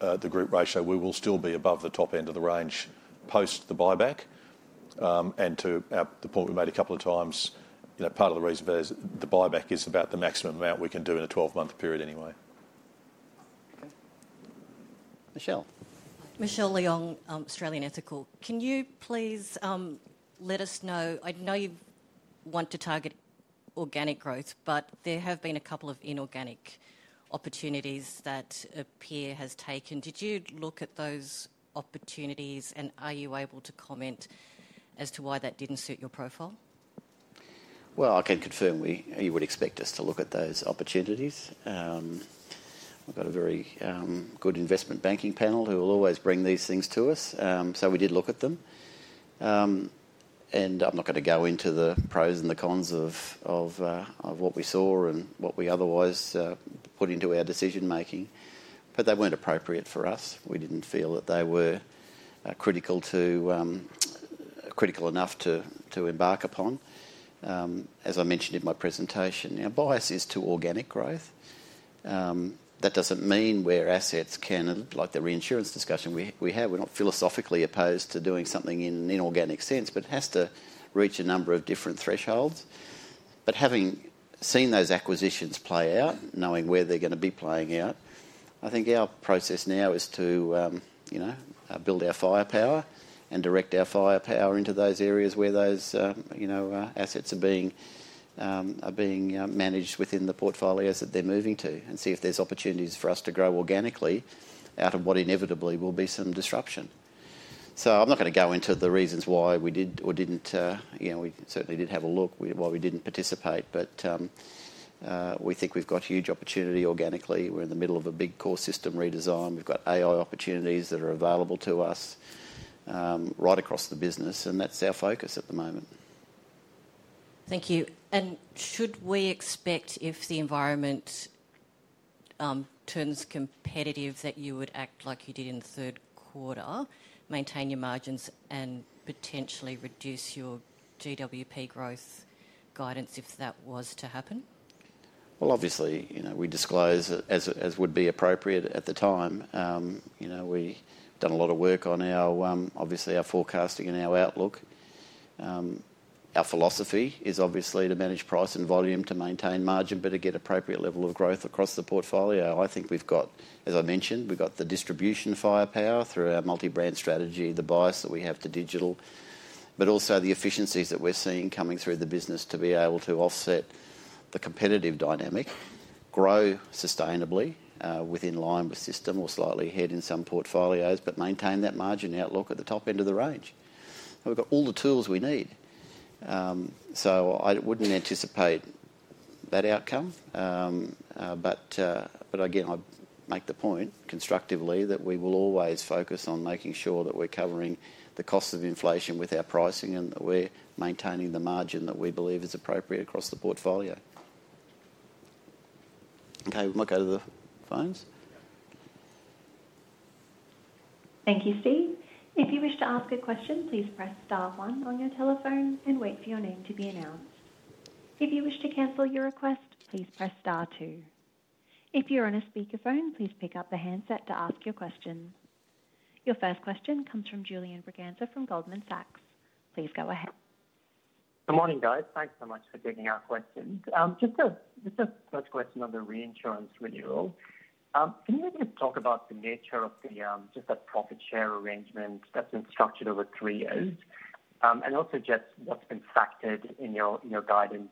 [SPEAKER 2] the group ratio, we will still be above the top end of the range post the buyback. To the point we made a couple of times, part of the reason for the buyback is about the maximum amount we can do in a 12-month period anyway.
[SPEAKER 1] Michelle.
[SPEAKER 8] Michelle Leong, Australian Ethical. Can you please let us know, I know you want to target organic growth, but there have been a couple of inorganic opportunities that a peer has taken. Did you look at those opportunities and are you able to comment as to why that didn't suit your profile?
[SPEAKER 1] I can confirm you would expect us to look at those opportunities. I've got a very good investment banking panel who will always bring these things to us. We did look at them. I'm not going to go into the pros and the cons of what we saw and what we otherwise put into our decision-making. They weren't appropriate for us. We didn't feel that they were critical enough to embark upon. As I mentioned in my presentation, our bias is to organic growth. That doesn't mean where assets can, like the reinsurance discussion we have, we're not philosophically opposed to doing something in an inorganic sense, but it has to reach a number of different thresholds. Having seen those acquisitions play out, knowing where they're going to be playing out, I think our process now is to build our firepower and direct our firepower into those areas where those assets are being managed within the portfolios that they're moving to and see if there's opportunities for us to grow organically out of what inevitably will be some disruption. I'm not going to go into the reasons why we did or didn't, we certainly did have a look at why we didn't participate, but we think we've got huge opportunity organically. We're in the middle of a big core system redesign. We've got AI opportunities that are available to us right across the business, and that's our focus at the moment.
[SPEAKER 8] Thank you. Should we expect if the environment turns competitive that you would act like you did in the third quarter, maintain your margins, and potentially reduce your GWP growth guidance if that was to happen?
[SPEAKER 1] Obviously, you know, we disclose as would be appropriate at the time. You know, we've done a lot of work on our, obviously, our forecasting and our outlook. Our philosophy is obviously to manage price and volume to maintain margin, but to get appropriate level of growth across the portfolio. I think we've got, as I mentioned, we've got the distribution firepower through our multi-brand strategy, the bias that we have to digital, but also the efficiencies that we're seeing coming through the business to be able to offset the competitive dynamic, grow sustainably within line with system or slightly ahead in some portfolios, but maintain that margin outlook at the top end of the range. We've got all the tools we need. I wouldn't anticipate that outcome. Again, I make the point constructively that we will always focus on making sure that we're covering the costs of inflation with our pricing and that we're maintaining the margin that we believe is appropriate across the portfolio. Okay, we might go to the phones.
[SPEAKER 9] Thank you, Steve. If you wish to ask a question, please press star one on your telephone and wait for your name to be announced. If you wish to cancel your request, please press star two. If you're on a speaker phone, please pick up the handset to ask your question. Your first question comes from Julian Braganza from Goldman Sachs. Please go ahead.
[SPEAKER 10] Good morning, guys. Thanks so much for taking our question. Just a first question on the reinsurance renewal. Can you maybe just talk about the nature of the profit share arrangement that's been structured over three years? Also, what's been factored in your guidance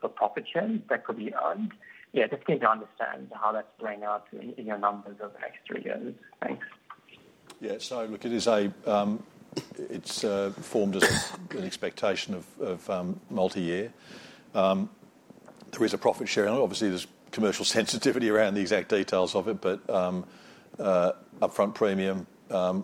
[SPEAKER 10] for profit sharing that could be earned? Just getting to understand how that's bringing up in your numbers.
[SPEAKER 2] It is formed as an expectation of multi-year. There is a profit sharing. Obviously, there's commercial sensitivity around the exact details of it, but upfront premium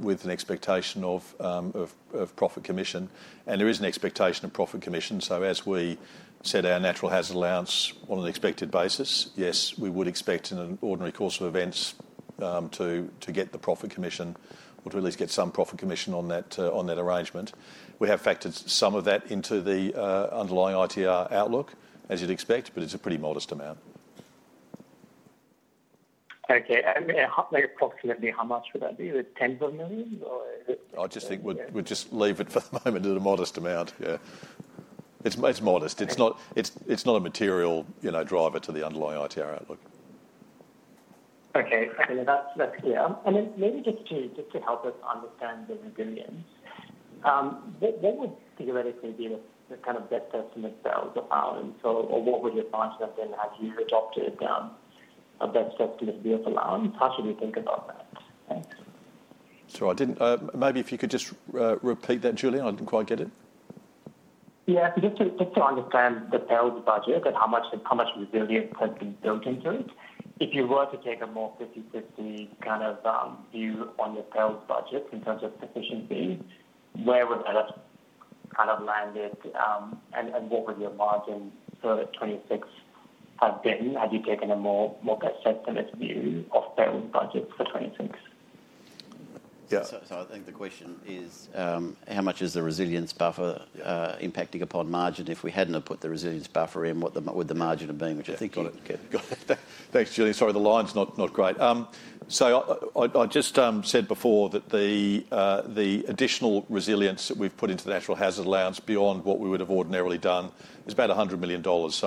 [SPEAKER 2] with an expectation of profit commission. There is an expectation of profit commission. As we set our Natural Hazard allowance on an expected basis, yes, we would expect in an ordinary course of events to get the profit commission or to at least get some profit commission on that arrangement. We have factored some of that into the Underlying ITR outlook, as you'd expect, but it's a pretty modest amount.
[SPEAKER 10] Okay, approximately how much would that be? Is it 10 billion or is it?
[SPEAKER 2] I just think we'd leave it for the moment at a modest amount. Yeah, it's modest. It's not a material, you know, driver to the Underlying ITR outlook.
[SPEAKER 10] Okay, that's clear. Maybe just to help us understand the resilience, when would theoretically be the kind of best estimate to balance, or what would your function have been had you adopted a best estimate of the allowance? How should we think about that?
[SPEAKER 2] Sure, I didn't, maybe if you could just repeat that, Julian, I didn't quite get it.
[SPEAKER 10] Yeah, just to understand the sales budget and how much resilience has been built into it. If you were to take a more 50/50 kind of view on your sales budget in terms of sufficient needs, where would that have kind of landed, and what would your margin for 2026 have been had you taken a more set limits view of sales budget for 2020?
[SPEAKER 1] I think the question is how much is the resilience buffer impacting upon margin. If we hadn't put the resilience buffer in, what would the margin have been?
[SPEAKER 2] Thanks, Julian. Thanks, Julian. Sorry, the line's not great. I just said before that the additional resilience that we've put into the natural hazard allowance beyond what we would have ordinarily done is about 100 million dollars.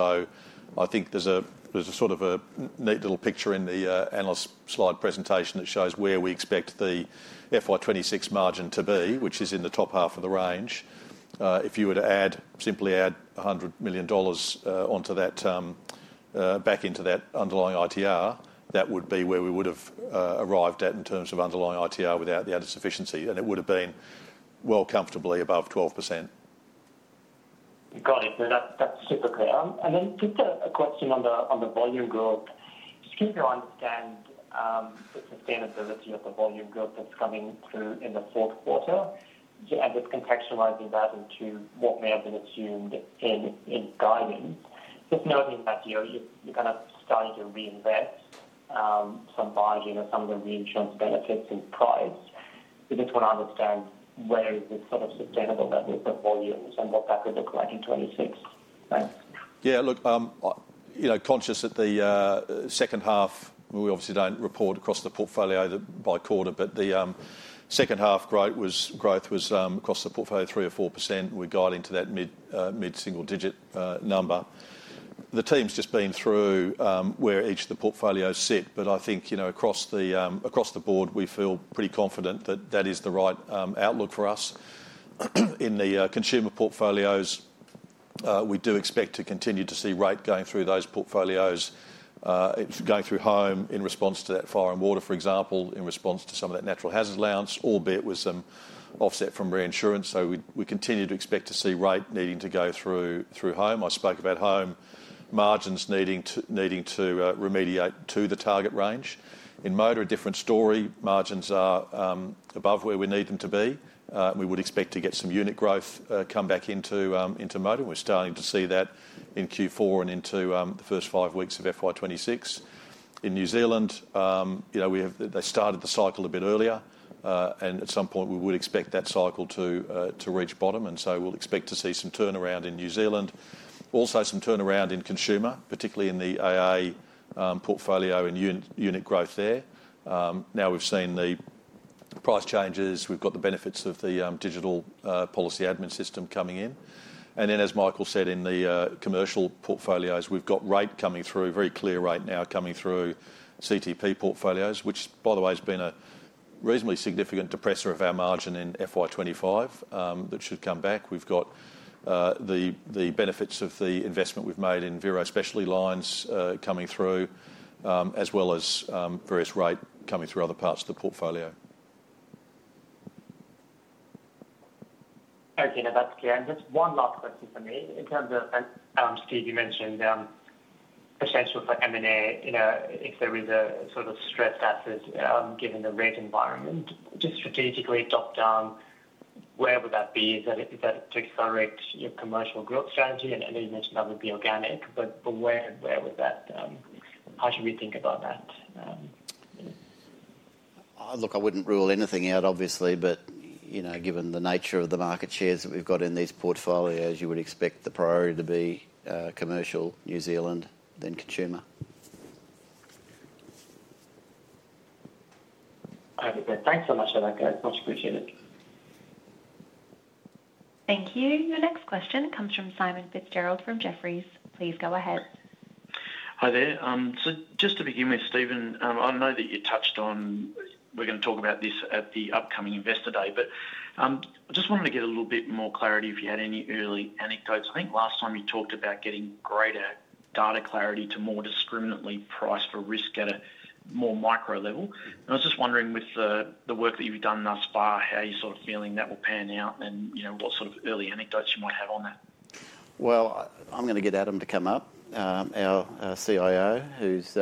[SPEAKER 2] I think there's a sort of a neat little picture in the analyst slide presentation that shows where we expect the FY 2026 margin to be, which is in the top half of the range. If you were to simply add 100 million dollars onto that back into that Underlying ITR, that would be where we would have arrived at in terms of Underlying ITR without the added sufficiency. It would have been well comfortably above 12%.
[SPEAKER 10] Got it. That's super clear. Just a question on the volume growth. Just getting to understand the sustainability of the volume growth that's coming through in the fourth quarter, and just contextualizing that into what may have been assumed in guidance. Just noting that you're kind of starting to reinvest some bargain or some of the reinsurance benefits in price. We just want to understand where is the sort of sustainable level of volumes and what that could look like in 2026.
[SPEAKER 2] Yeah, look, you know, conscious that the second half, we obviously don't report across the portfolio by quarter, but the second half growth was across the portfolio 3% or 4%. We guide into that mid-single digit number. The team's just been through where each of the portfolios sit. I think, you know, across the board, we feel pretty confident that that is the right outlook for us. In the consumer portfolios, we do expect to continue to see rate going through those portfolios. It's going through home in response to that fire and water, for example, in response to some of that natural hazard allowance, albeit with some offset from reinsurance. We continue to expect to see rate needing to go through home. I spoke about home margins needing to remediate to the target range. In motor, a different story. Margins are above where we need them to be. We would expect to get some unit growth come back into motor. We're starting to see that in Q4 and into the first five weeks of FY 2026. In New Zealand, you know, they started the cycle a bit earlier. At some point, we would expect that cycle to reach bottom. We'll expect to see some turnaround in New Zealand. Also, some turnaround in consumer, particularly in the AA portfolio and unit growth there. Now we've seen the price changes. We've got the benefits of the digital policy admin system coming in. Then, as Michael said, in the commercial portfolios, we've got rate coming through, very clear rate now coming through compulsory third party insurance portfolios, which, by the way, has been a reasonably significant depressor of our margin in FY 2025, that should come back. We've got the benefits of the investment we've made in Vira specialty lines coming through, as well as various rate coming through other parts of the portfolio.
[SPEAKER 10] Okay, now that's clear. Just one last question, Stephanie. In terms of, Steve, you mentioned the potential for M&A if there is a sort of stressed asset, given the rate environment. Just strategically talk down, where would that be? Is that to accelerate your commercial growth strategy? I know you mentioned that would be organic, but where would that, how should we think about that?
[SPEAKER 1] Look, I wouldn't rule anything out, obviously, but you know, given the nature of the market shares that we've got in these portfolios, you would expect the priority to be commercial New Zealand, then consumer.
[SPEAKER 10] Perfect. Thanks so much guys. Much appreciated.
[SPEAKER 9] Thank you. Your next question comes from Simon Fitzgerald from Jefferies. Please go ahead.
[SPEAKER 11] Hi there. Just to begin with, Steve, I know that you touched on, we're going to talk about this at the upcoming investor day, but I just wanted to get a little bit more clarity if you had any early anecdotes. I think last time you talked about getting greater data clarity to more discriminately price for risk at a more micro level. I was just wondering, with the work that you've done thus far, how you're sort of feeling that will pan out and what sort of early anecdotes you might have on that?
[SPEAKER 1] I'm going to get Adam Bennett to come up, our CIO, who's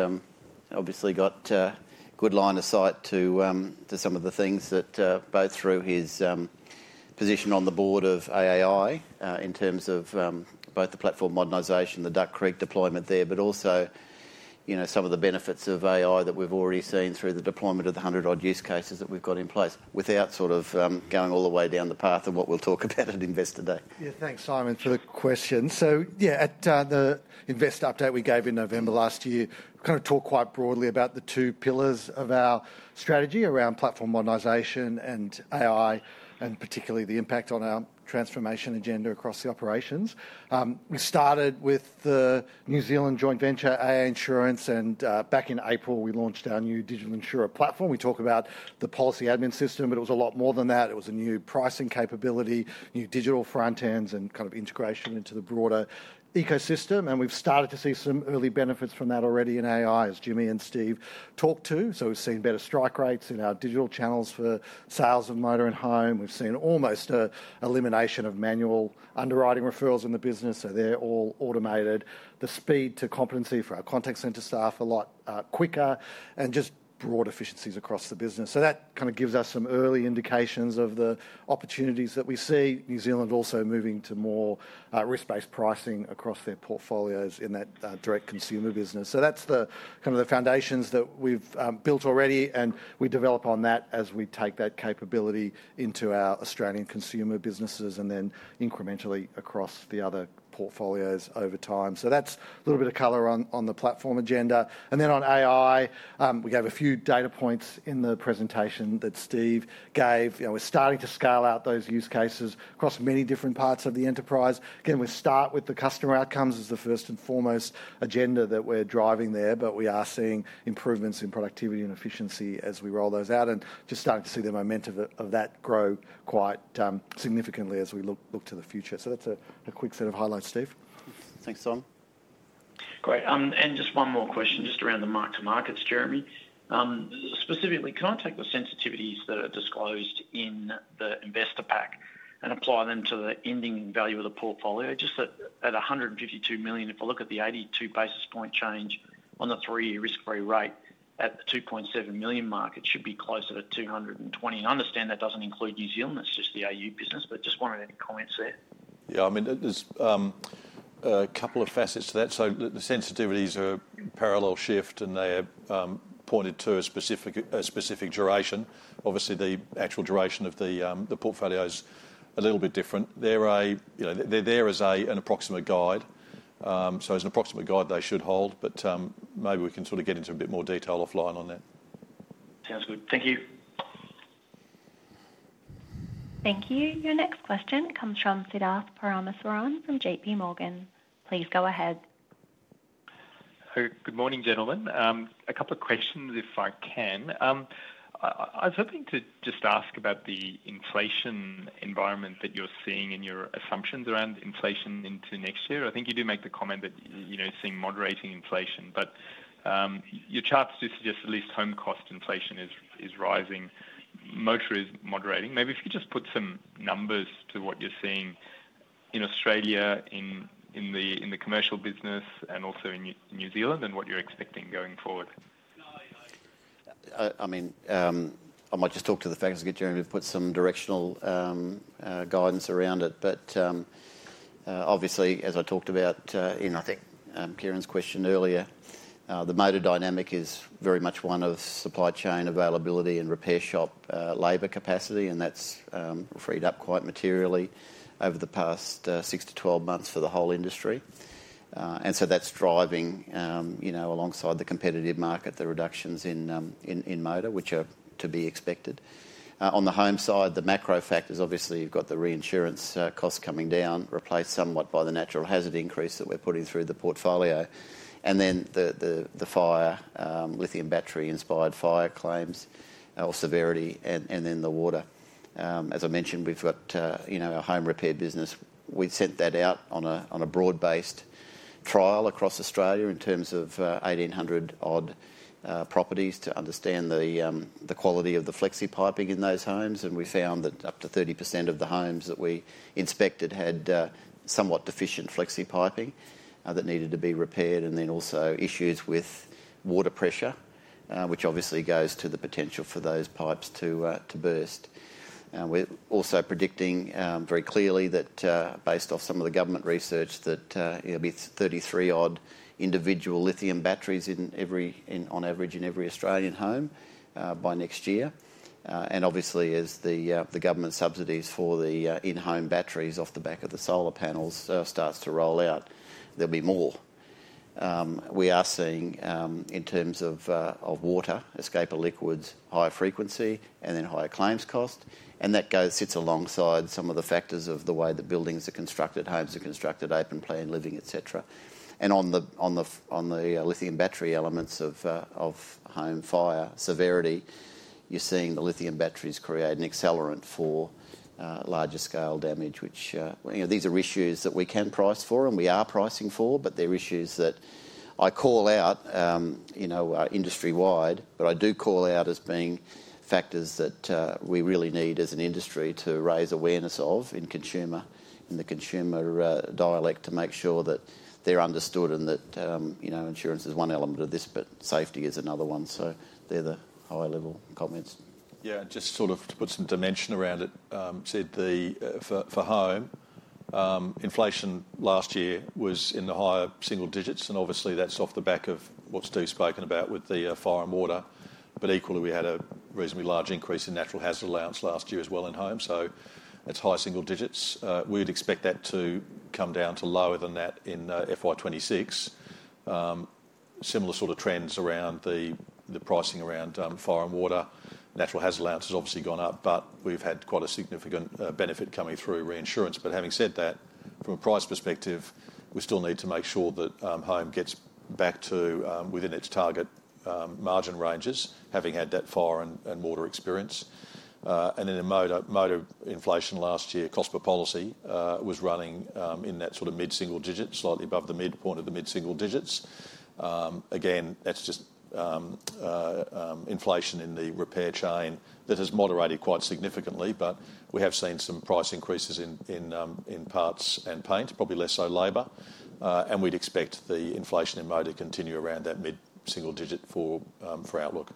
[SPEAKER 1] obviously got a good line of sight to some of the things that, both through his position on the board of AAI in terms of both the platform modernization, the Duck Creek deployment there, but also, you know, some of the benefits of AI that we've already seen through the deployment of the hundred-odd use cases that we've got in place, without sort of going all the way down the path of what we'll talk about at investor day.
[SPEAKER 12] Yeah, thanks, Simon, for the question. At the investor update we gave in November last year, kind of talked quite broadly about the two pillars of our strategy around platform modernization and AI, and particularly the impact on our transformation agenda across the operations. We started with the New Zealand joint venture AA Insurance, and back in April, we launched our new digital insurer platform. We talk about the policy admin system, but it was a lot more than that. It was a new pricing capability, new digital front ends, and kind of integration into the broader ecosystem. We've started to see some early benefits from that already in AI, as Jimmy and Steve talked to. We've seen better strike rates in our digital channels for sales of Motor and Home. We've seen almost an elimination of manual underwriting referrals in the business, so they're all automated. The speed to competency for our contact center staff is a lot quicker, and just broad efficiencies across the business. That kind of gives us some early indications of the opportunities that we see. New Zealand also moving to more risk-based pricing across their portfolios in that direct consumer business. That's the kind of the foundations that we've built already, and we develop on that as we take that capability into our Australian consumer businesses and then incrementally across the other portfolios over time. That's a little bit of color on the platform agenda. On AI, we have a few data points in the presentation that Steve gave. We're starting to scale out those use cases across many different parts of the enterprise. Again, we start with the customer outcomes as the first and foremost agenda that we're driving there, but we are seeing improvements in productivity and efficiency as we roll those out and just starting to see the momentum of that grow quite significantly as we look to the future. That's a quick set of highlights, Steve. Thanks, Simon.
[SPEAKER 11] Great. Just one more question, just around the mark to markets, Jeremy. Specifically, contact the sensitivities that are disclosed in the investor pack and apply them to the ending value of the portfolio. Just at 152 million, if I look at the 82 basis point change on the three-year risk-free rate at the 2.7 million mark, it should be closer to 220 million. I understand that doesn't include New Zealand, it's just the AU business, but just wanted any comments there.
[SPEAKER 2] Yeah, I mean, there's a couple of facets to that. The sensitivities are parallel shift and they are pointed to a specific duration. Obviously, the actual duration of the portfolio is a little bit different. They're there as an approximate guide. As an approximate guide, they should hold, but maybe we can sort of get into a bit more detail offline on that.
[SPEAKER 11] Sounds good. Thank you.
[SPEAKER 9] Thank you. Your next question comes from Siddarth Parameswaran from JP Morgan. Please go ahead.
[SPEAKER 13] Good morning, gentlemen. A couple of questions if I can. I was hoping to just ask about the inflation environment that you're seeing and your assumptions around inflation into next year. I think you do make the comment that you're seeing moderating inflation, but your charts do suggest at least home cost inflation is rising. Motor is moderating. Maybe if you could just put some numbers to what you're seeing in Australia, in the commercial business, and also in New Zealand, and what you're expecting going forward.
[SPEAKER 1] I might just talk to the facts again, Jeremy, to put some directional guidance around it. Obviously, as I talked about in, I think, Kieren's question earlier, the motor dynamic is very much one of supply chain availability and repair shop labor capacity, and that's freed up quite materially over the past 6 to 12 months for the whole industry. That's driving, alongside the competitive market, the reductions in Motor, which are to be expected. On the Home side, the macro factors, obviously, you've got the reinsurance cost coming down, replaced somewhat by the Natural Hazard increase that we're putting through the portfolio. Then the fire, lithium battery-inspired fire claims, all severity, and then the water. As I mentioned, we've got a home repair business. We've sent that out on a broad-based trial across Australia in terms of 1,800-odd properties to understand the quality of the flexi piping in those homes. We found that up to 30% of the homes that we inspected had somewhat deficient flexi piping that needed to be repaired, and then also issues with water pressure, which obviously goes to the potential for those pipes to burst. We're also predicting very clearly that, based off some of the government research, it'll be 33-odd individual lithium batteries on average in every Australian home by next year. Obviously, as the government subsidies for the in-home batteries off the back of the solar panels start to roll out, there'll be more. We are seeing in terms of water, escape of liquids, higher frequency, and then higher claims cost. That sits alongside some of the factors of the way that buildings are constructed, homes. Attracted open plan living, et cetera. On the lithium battery elements of home fire severity, you're seeing the lithium batteries create an accelerant for larger scale damage, which, you know, these are issues that we can price for and we are pricing for, but they're issues that I call out industry-wide, but I do call out as being factors that we really need as an industry to raise awareness of in consumer and the consumer dialect to make sure that they're understood and that, you know, insurance is one element of this, but safety is another one. They're the high-level comments.
[SPEAKER 2] Yeah, just to put some dimension around it, for home, inflation last year was in the higher single digits, and obviously that's off the back of what Steve's spoken about with the fire and water. Equally, we had a reasonably large increase in Natural Hazard allowance last year as well in home. It's high single digits. We'd expect that to come down to lower than that in FY 2026. Similar trends around the pricing around fire and water. Natural Hazard allowance has obviously gone up, but we've had quite a significant benefit coming through reinsurance. Having said that, from a price perspective, we still need to make sure that home gets back to within its target margin ranges, having had that fire and water experience. In Motor, inflation last year, cost per policy was running in that mid-single digit, slightly above the midpoint of the mid-single digits. That's just inflation in the repair chain that has moderated quite significantly, but we have seen some price increases in parts and paints, probably less so labor. We'd expect the inflation in motor to continue around that mid-single digit for outlook.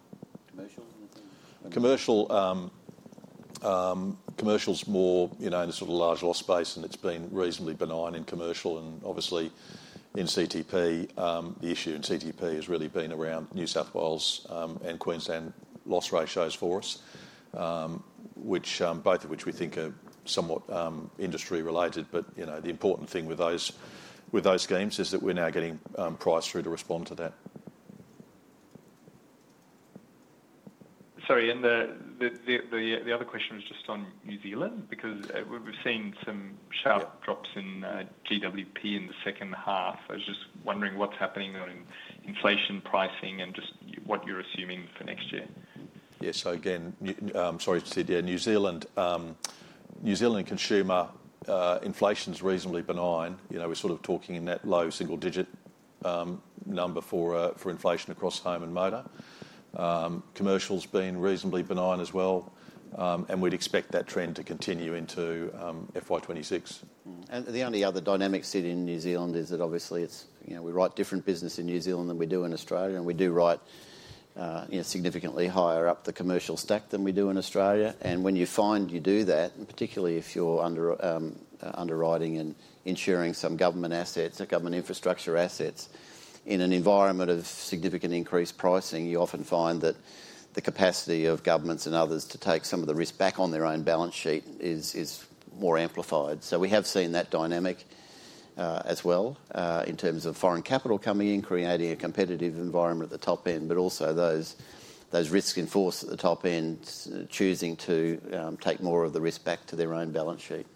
[SPEAKER 13] Commercial?
[SPEAKER 2] Commercial's more, you know, in a sort of large loss space, and it's been reasonably benign in commercial and obviously in CTP. The issue in compulsory third party insurance has really been around New South Wales and Queensland loss ratios for us, both of which we think are somewhat industry-related. You know, the important thing with those gains is that we're now getting price through to respond to that.
[SPEAKER 11] Sorry, the other question was just on New Zealand because we've seen some sharp drops in GWP in the second half. I was just wondering what's happening on inflation pricing and what you're assuming for next year.
[SPEAKER 2] I'm sorry to see the New Zealand. New Zealand consumer inflation is reasonably benign. You know, we're sort of talking in that low single digit number for inflation across Home and Motor. Commercial's been reasonably benign as well. We'd expect that trend to continue into FY 2026.
[SPEAKER 1] The only other dynamic set in New Zealand is that obviously it's, you know, we write different business in New Zealand than we do in Australia. We do write, you know, significantly higher up the commercial stack than we do in Australia. When you find you do that, and particularly if you're underwriting and insuring some government assets, government infrastructure assets, in an environment of significant increased pricing, you often find that the capacity of governments and others to take some of the risk back on their own balance sheet is more amplified. We have seen that dynamic as well in terms of foreign capital coming in, creating a competitive environment at the top end, but also those risk enforcers at the top end choosing to take more of the risk back to their own balance sheet.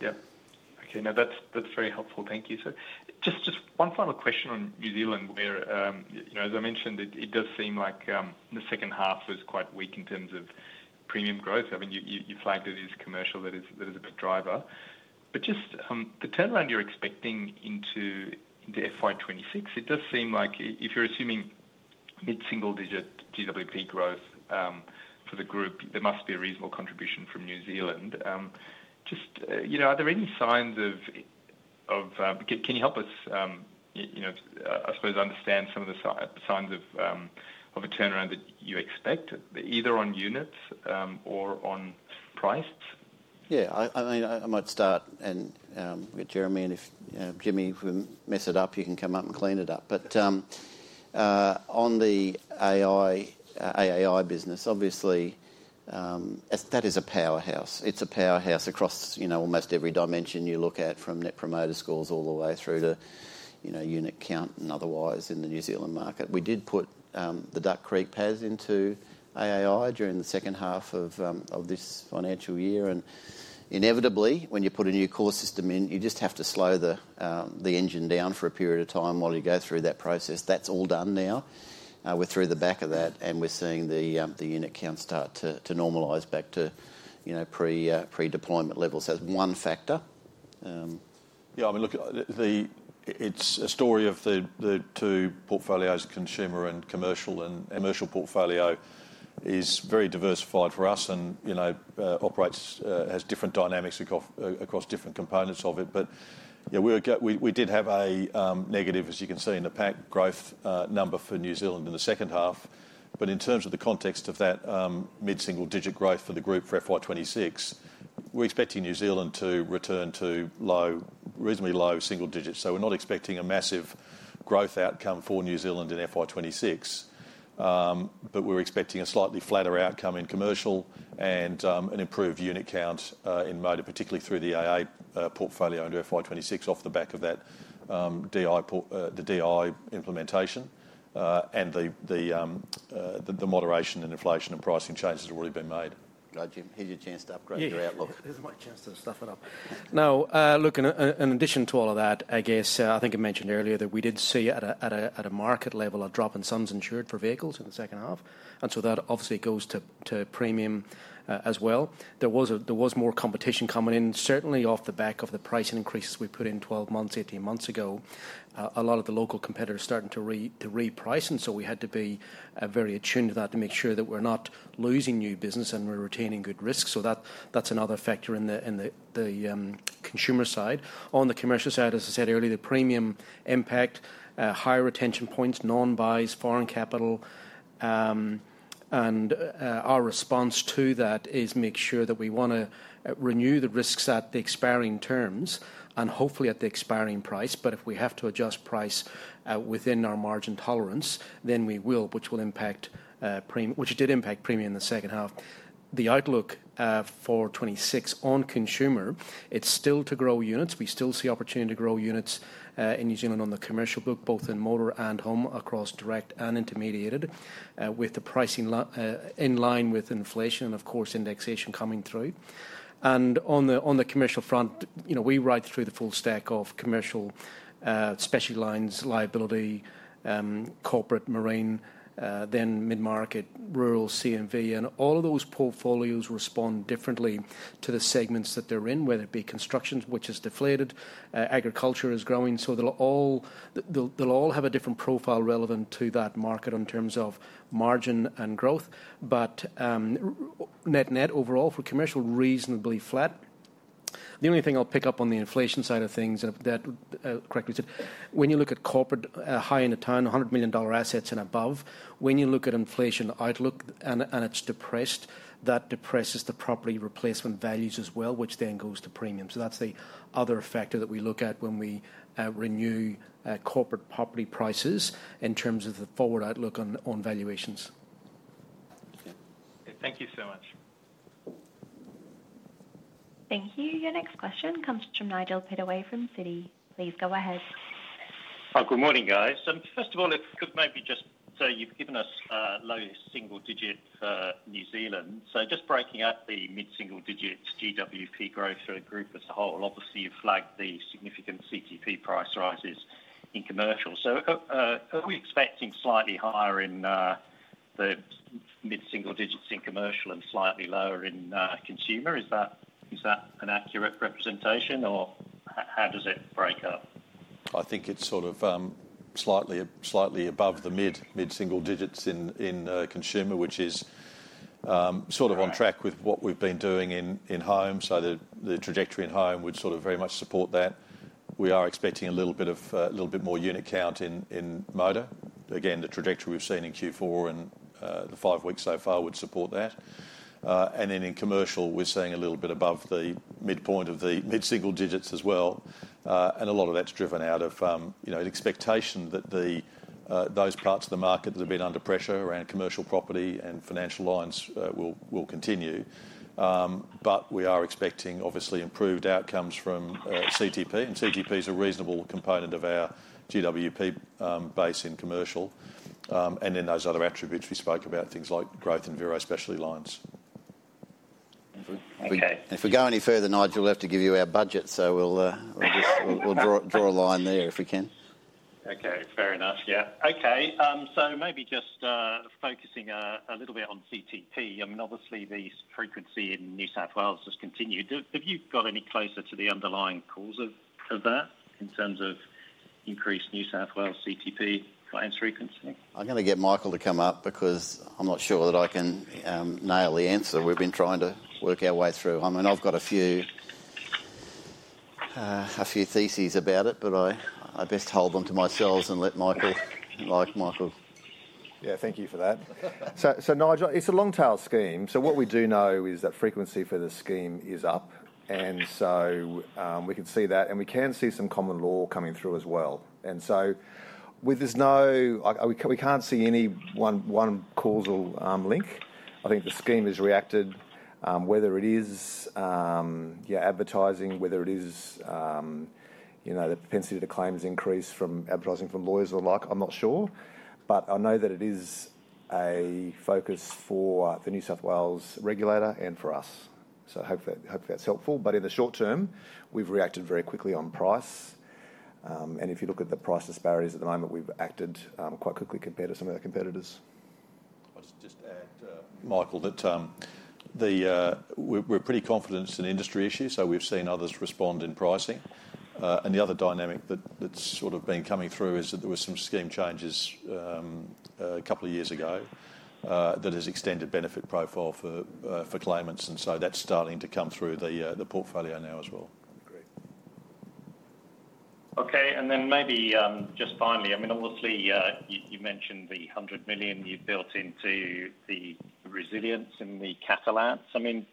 [SPEAKER 13] Yeah, okay, that's very helpful. Thank you. Just one final question on New Zealand, where, as I mentioned, it does seem like the second half was quite weak in terms of premium growth. I mean, you flagged it as commercial that is a bit driver. Just the turnaround you're expecting into FY 2026, it does seem like if you're assuming mid-single digit GWP growth for the group, there must be a reasonable contribution from New Zealand. Are there any signs of, can you help us, I suppose, understand some of the signs of a turnaround that you expect either on units or on prices?
[SPEAKER 1] Yeah, I mean, I might start, and Jeremy, if Jimmy mess it up, you can come up and clean it up. On the AAI business, obviously that is a powerhouse. It's a powerhouse across, you know, almost every dimension you look at from net promoter scores all the way through to, you know, unit count and otherwise in the New Zealand market. We did put the Duck Creek policy administration systems into AAI during the second half of this financial year. Inevitably, when you put a new core system in, you just have to slow the engine down for a period of time while you go through that process. That's all done now. We're through the back of that, and we're seeing the unit count start to normalize back to, you know, pre-deployment levels as one factor.
[SPEAKER 2] Yeah, I mean, look, it's a story of the two portfolios, consumer and commercial. The commercial portfolio is very diversified for us and operates, has different dynamics across different components of it. We did have a negative, as you can see in the pack, growth number for New Zealand in the second half. In terms of the context of that mid-single digit growth for the group for FY 2026, we're expecting New Zealand to return to reasonably low single digits. We're not expecting a massive growth outcome for New Zealand in FY 2026. We're expecting a slightly flatter outcome in commercial and an improved unit count in motor, particularly through the AA portfolio under FY 2026 off the back of that DI implementation and the moderation in inflation and pricing changes that have already been made.
[SPEAKER 1] Right, Jim, here's your chance to upgrade your outlook.
[SPEAKER 5] Here's my chance to stuff it up. No, look, in addition to all of that, I guess I think I mentioned earlier that we did see at a market level a drop in sums insured for vehicles in the second half. That obviously goes to premium as well. There was more competition coming in, certainly off the back of the price increases we put in 12 months, 18 months ago. A lot of the local competitors starting to re-price, and we had to be very attuned to that to make sure that we're not losing new business and we're retaining good risk. That's another factor in the consumer side. On the commercial side, as I said earlier, the premium impact, higher retention points, non-buys, foreign capital. Our response to that is make sure that we want to renew the risks at the expiring terms and hopefully at the expiring price. If we have to adjust price within our margin tolerance, then we will, which will impact, which did impact premium in the second half. The outlook for 2026 on consumer, it's still to grow units. We still see opportunity to grow units in New Zealand on the commercial book, both in motor and home across direct and intermediated with the pricing in line with inflation and of course indexation coming through. On the commercial front, you know, we write through the full stack of commercial, specialty lines, liability, corporate, marine, then mid-market, rural, CMV, and all of those portfolios respond differently to the segments that they're in, whether it be construction, which is deflated, agriculture is growing. They'll all have a different profile relevant to that market in terms of margin and growth. Net net overall for commercial, reasonably flat. The only thing I'll pick up on the inflation side of things that correctly said, when you look at corporate high in a ton, 100 million dollar assets and above, when you look at inflation outlook and it's depressed, that depresses the property replacement values as well, which then goes to premium. That's the other factor that we look at when we renew corporate property prices in terms of the forward outlook on valuations.
[SPEAKER 13] Okay, thank you so much.
[SPEAKER 9] Thank you. Your next question comes from Nigel Pettaway from Citi. Please go ahead.
[SPEAKER 14] Good morning, guys. First of all, it's good maybe just to say you've given us a low single digit for New Zealand. Just breaking up the mid-single digit GWP growth for the group as a whole, obviously you've flagged the significant CTP price rises in commercial. Are we expecting slightly higher in the mid-single digits in commercial and slightly lower in consumer? Is that an accurate representation or how does it break up?
[SPEAKER 2] I think it's sort of slightly above the mid-single digits in consumer, which is sort of on track with what we've been doing in home. The trajectory in home would very much support that. We are expecting a little bit more unit count in Motor. Again, the trajectory we've seen in Q4 and the five weeks so far would support that. In commercial, we're saying a little bit above the midpoint of the mid-single digits as well. A lot of that's driven out of the expectation that those parts of the market that have been under pressure around commercial property insurance and financial lines will continue. We are expecting obviously improved outcomes from CTP. CTP insurance is a reasonable component of our gross written premium base in commercial. Those other attributes we spoke about, things like growth and Vero specialty lines.
[SPEAKER 1] If we go any further, Nigel, we'll have to give you our budget. We'll just draw a line there if we can.
[SPEAKER 14] Okay, fair enough. Okay, so maybe just focusing a little bit on CTP insurance. I mean, obviously the frequency in New South Wales has continued. Have you got any closer to the underlying cause of that in terms of increased New South Wales CTP claims frequency?
[SPEAKER 1] I'm going to get Michael to come up because I'm not sure that I can nail the answer. We've been trying to work our way through. I've got a few theses about it, but I best hold them to myself and let Michael, like Michael.
[SPEAKER 6] Thank you for that. Nigel, it's a long-tail scheme. What we do know is that frequency for the scheme is up, and we can see that. We can see some common law coming through as well. There is no, we can't see any one causal link. I think the scheme has reacted, whether it is advertising, whether it is the propensity to claims increase from advertising from lawyers and the like, I'm not sure. I know that it is a focus for the New South Wales regulator and for us. Hopefully that's helpful. In the short term, we've reacted very quickly on price. If you look at the price disparities at the moment, we've acted quite quickly compared to some of the competitors.
[SPEAKER 2] I would just add, Michael, that we're pretty confident it's an industry issue. We've seen others respond in pricing. The other dynamic that's been coming through is that there were some scheme changes a couple of years ago that have extended benefit profile for claimants, and that's starting to come through the portfolio now as well.
[SPEAKER 14] Okay, and then maybe just finally, I mean, obviously you mentioned the 100 million you built into the resilience in the catalyst. I mean,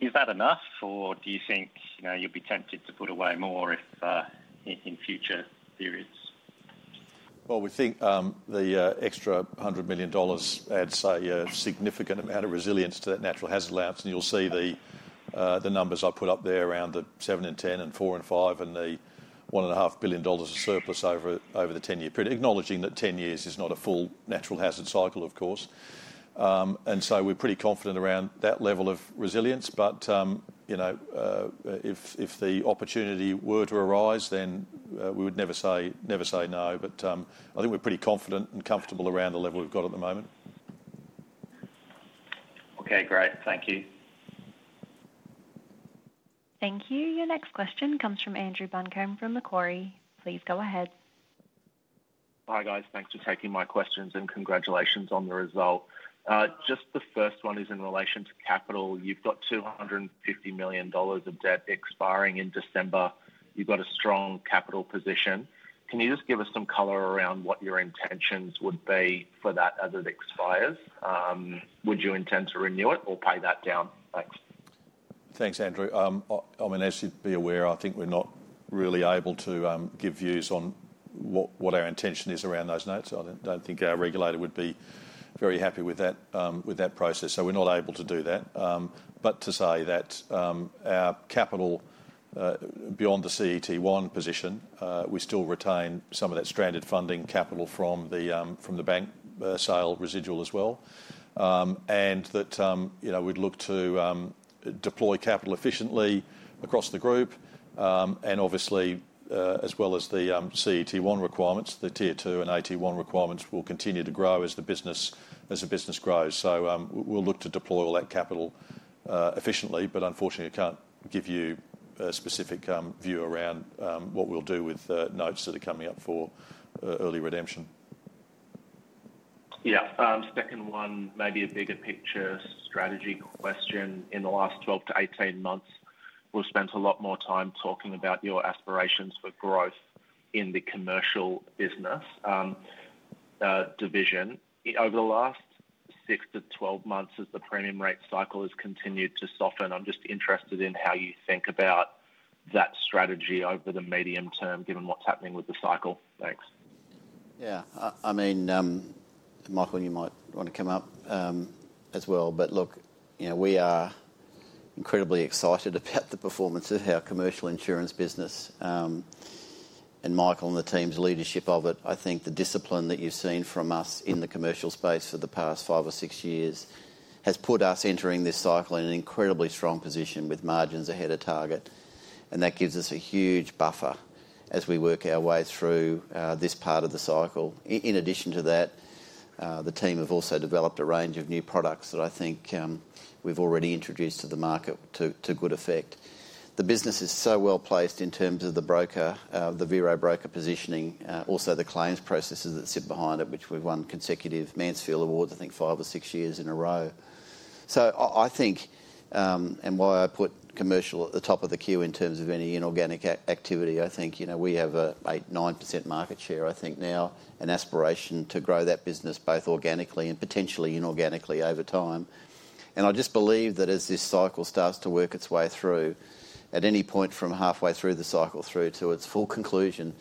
[SPEAKER 14] is that enough or do you think you'll be tempted to put away more if in future periods?
[SPEAKER 2] We think the extra 100 million dollars adds a significant amount of resilience to that natural hazard allowance. You'll see the numbers I put up there around the seven and 10 and four and five and the 1.5 billion dollars of surplus over the 10-year period, acknowledging that 10 years is not a full Natural Hazard cycle, of course. We're pretty confident around that level of resilience. If the opportunity were to arise, we would never say no. I think we're pretty confident and comfortable around the level we've got at the moment.
[SPEAKER 14] Okay, great. Thank you.
[SPEAKER 9] Thank you. Your next question comes from Andrew Buncombe from Macquarie. Please go ahead.
[SPEAKER 15] Hi guys, thanks for taking my questions and congratulations on the result. Just the first one is in relation to capital. You've got 250 million dollars of debt expiring in December. You've got a strong capital position. Can you just give us some color around what your intentions would be for that as it expires? Would you intend to renew it or pay that down?
[SPEAKER 2] Thanks, Andrew. As you'd be aware, I think we're not really able to give views on what our intention is around those notes. I don't think our regulator would be very happy with that process. We're not able to do that. To say that our capital beyond the CET1 position, we still retain some of that stranded funding capital from the bank sale residual as well. We'd look to deploy capital efficiently across the group. Obviously, as well as the CET1 requirements, the Tier 2 and AT1 requirements will continue to grow as the business grows. We'll look to deploy all that capital efficiently, but unfortunately, I can't give you a specific view around what we'll do with notes that are coming up for early redemption.
[SPEAKER 15] Yeah, second one, maybe a bigger picture strategy question. In the last 12 to 18 months, we've spent a lot more time talking about your aspirations for growth in the commercial business division. Over the last 6 to 12 months, as the premium rate cycle has continued to soften, I'm just interested in how you think about that strategy over the medium term, given what's happening with the cycle. Thanks.
[SPEAKER 1] Yeah, I mean, Michael, you might want to come up as well. Look, you know, we are incredibly excited about the performance of our commercial insurance business. Michael and the team's leadership of it, I think the discipline that you've seen from us in the commercial space for the past five or six years has put us entering this cycle in an incredibly strong position with margins ahead of target. That gives us a huge buffer as we work our way through this part of the cycle. In addition to that, the team have also developed a range of new products that I think we've already introduced to the market to good effect. The business is so well placed in terms of the broker, the Vero broker positioning, also the claims processes that sit behind it, which we've won consecutive Mansfield Awards, I think five or six years in a row. I think, and why I put commercial at the top of the queue in terms of any inorganic activity, I think, you know, we have a 9% market share, I think now, an aspiration to grow that business both organically and potentially inorganically over time. I just believe that as this cycle starts to work its way through, at any point from halfway through the cycle through to its full conclusion,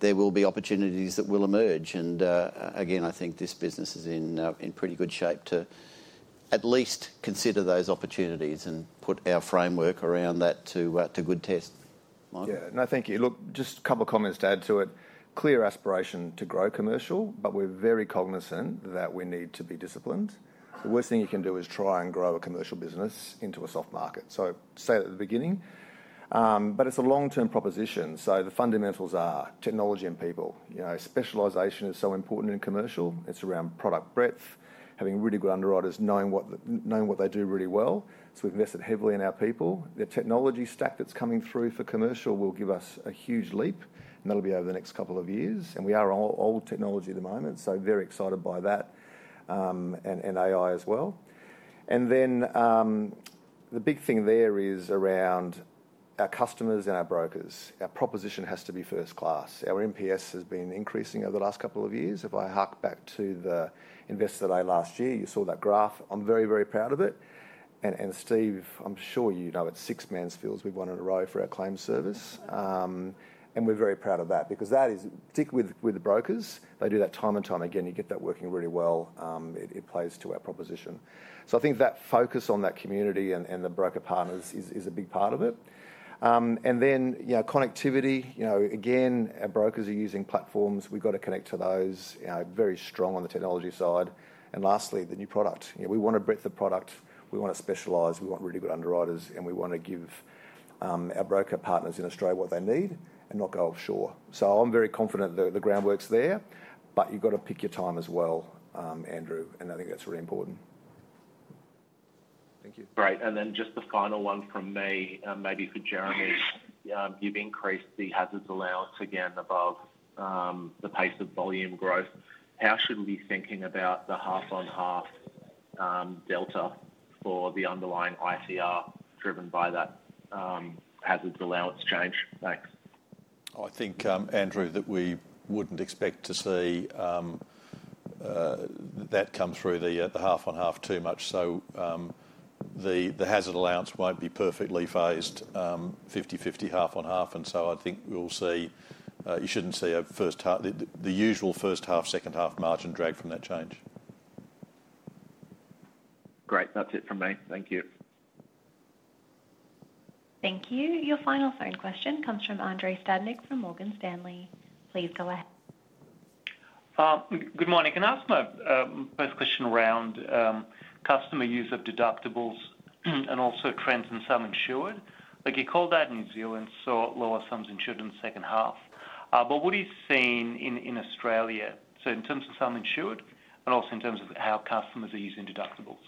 [SPEAKER 1] there will be opportunities that will emerge. I think this business is in pretty good shape to at least consider those opportunities and put our framework around that to good test.
[SPEAKER 6] Thank you. Just a couple of comments to add to it. Clear aspiration to grow commercial, but we're very cognizant that we need to be disciplined. The worst thing you can do is try and grow a commercial business into a soft market. I say at the beginning, but it's a long-term proposition. The fundamentals are technology and people. Specialization is so important in commercial. It's around product breadth, having really good underwriters, knowing what they do really well. We've invested heavily in our people. The technology stack that's coming through for commercial will give us a huge leap, and that'll be over the next couple of years. We are all old technology at the moment. Very excited by that and AI as well. The big thing there is around our customers and our brokers. Our proposition has to be first class. Our NPS has been increasing over the last couple of years. If I hark back to the investor day last year, you saw that graph. I'm very, very proud of it. Steve, I'm sure you know, it's six Mansfields we've won in a row for our claims service. We're very proud of that because that is, stick with the brokers. They do that time and time again. You get that working really well. It plays to our proposition. I think that focus on that community and the broker partners is a big part of it. Connectivity, our brokers are using platforms. We've got to connect to those, very strong on the technology side. Lastly, the new product, we want to break the product. We want to specialize. We want really good underwriters. We want to give our broker partners in Australia what they need and not go offshore. I'm very confident that the groundwork's there, but you've got to pick your time as well, Andrew. I think that's really important.
[SPEAKER 15] Thank you. Great. Just the final one from me, maybe for Jeremy. You've increased the Hazards allowance again above the pace of volume growth. How should we be thinking about the half-on-half delta for the Underlying ITR driven by that Hazards allowance change? Thanks.
[SPEAKER 2] I think, Andrew, that we wouldn't expect to see that come through the half-on-half too much. The hazard allowance won't be perfectly phased 50/50 half-on-half, and I think you shouldn't see a first half, the usual first half, second half margin drag from that change.
[SPEAKER 15] Great. That's it from me. Thank you.
[SPEAKER 9] Thank you. Your final phone question comes from Andrei Stadnik from Morgan Stanley. Please go ahead.
[SPEAKER 16] Good morning. Can I ask my first question around customer use of deductibles and also trends in sum insured? Like you called out in New Zealand, saw lower sums insured in the second half. What are you seeing in Australia, in terms of sum insured and also in terms of how customers are using deductibles?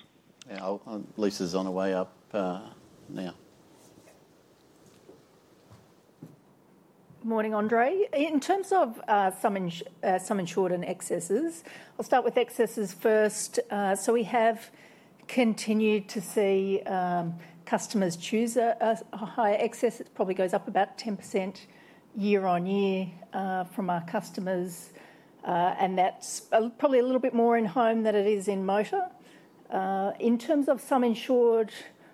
[SPEAKER 1] Yeah, Lisa's on her way up now.
[SPEAKER 4] Morning, Andrei. In terms of sum insured and excesses, I'll start with excesses first. We have continued to see customers choose a higher excess. It probably goes up about 10% year on year from our customers, and that's probably a little bit more in home than it is in motor. In terms of sum insured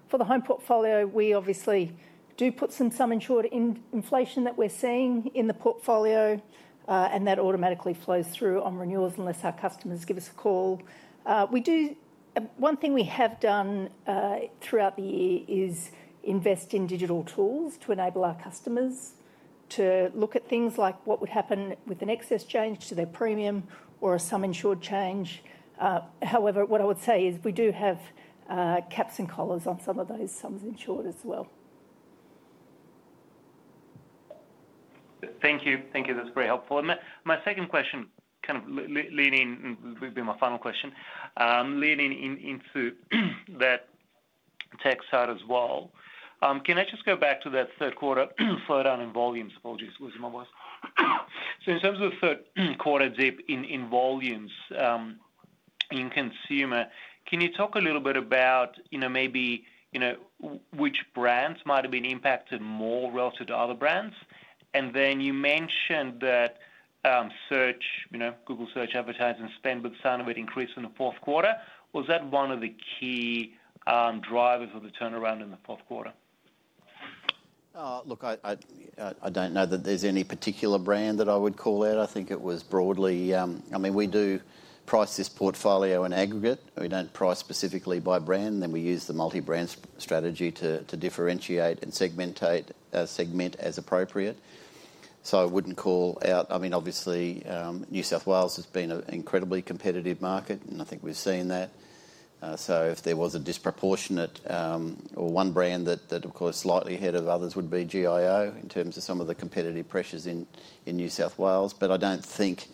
[SPEAKER 4] for the home portfolio, we obviously do put some sum insured inflation that we're seeing in the portfolio, and that automatically flows through on renewals unless our customers give us a call. One thing we have done throughout the year is invest in digital tools to enable our customers to look at things like what would happen with an excess change to their premium or a sum insured change. However, what I would say is we do have caps and collars on some of those sums insured as well.
[SPEAKER 16] Thank you. That's very helpful. My second question, kind of leaning in, would be my final question, leaning into that tech side as well. Can I just go back to that third quarter flow down in volumes? Apologies, losing my voice. In terms of the third quarter dip in volumes in consumer, can you talk a little bit about, you know, maybe which brands might have been impacted more relative to other brands? You mentioned that search, you know, Google search advertising spend with the sign of it increased in the fourth quarter. Was that one of the key drivers of the turnaround in the fourth quarter?
[SPEAKER 1] Look, I don't know that there's any particular brand that I would call out. I think it was broadly, I mean, we do price this portfolio in aggregate. We don't price specifically by brand. We use the multi-brand strategy to differentiate and segment as appropriate. I wouldn't call out, I mean, obviously New South Wales has been an incredibly competitive market and I think we've seen that. If there was a disproportionate or one brand that of course slightly ahead of others, it would be GIO in terms of some of the competitive pressures in New South Wales. I don't think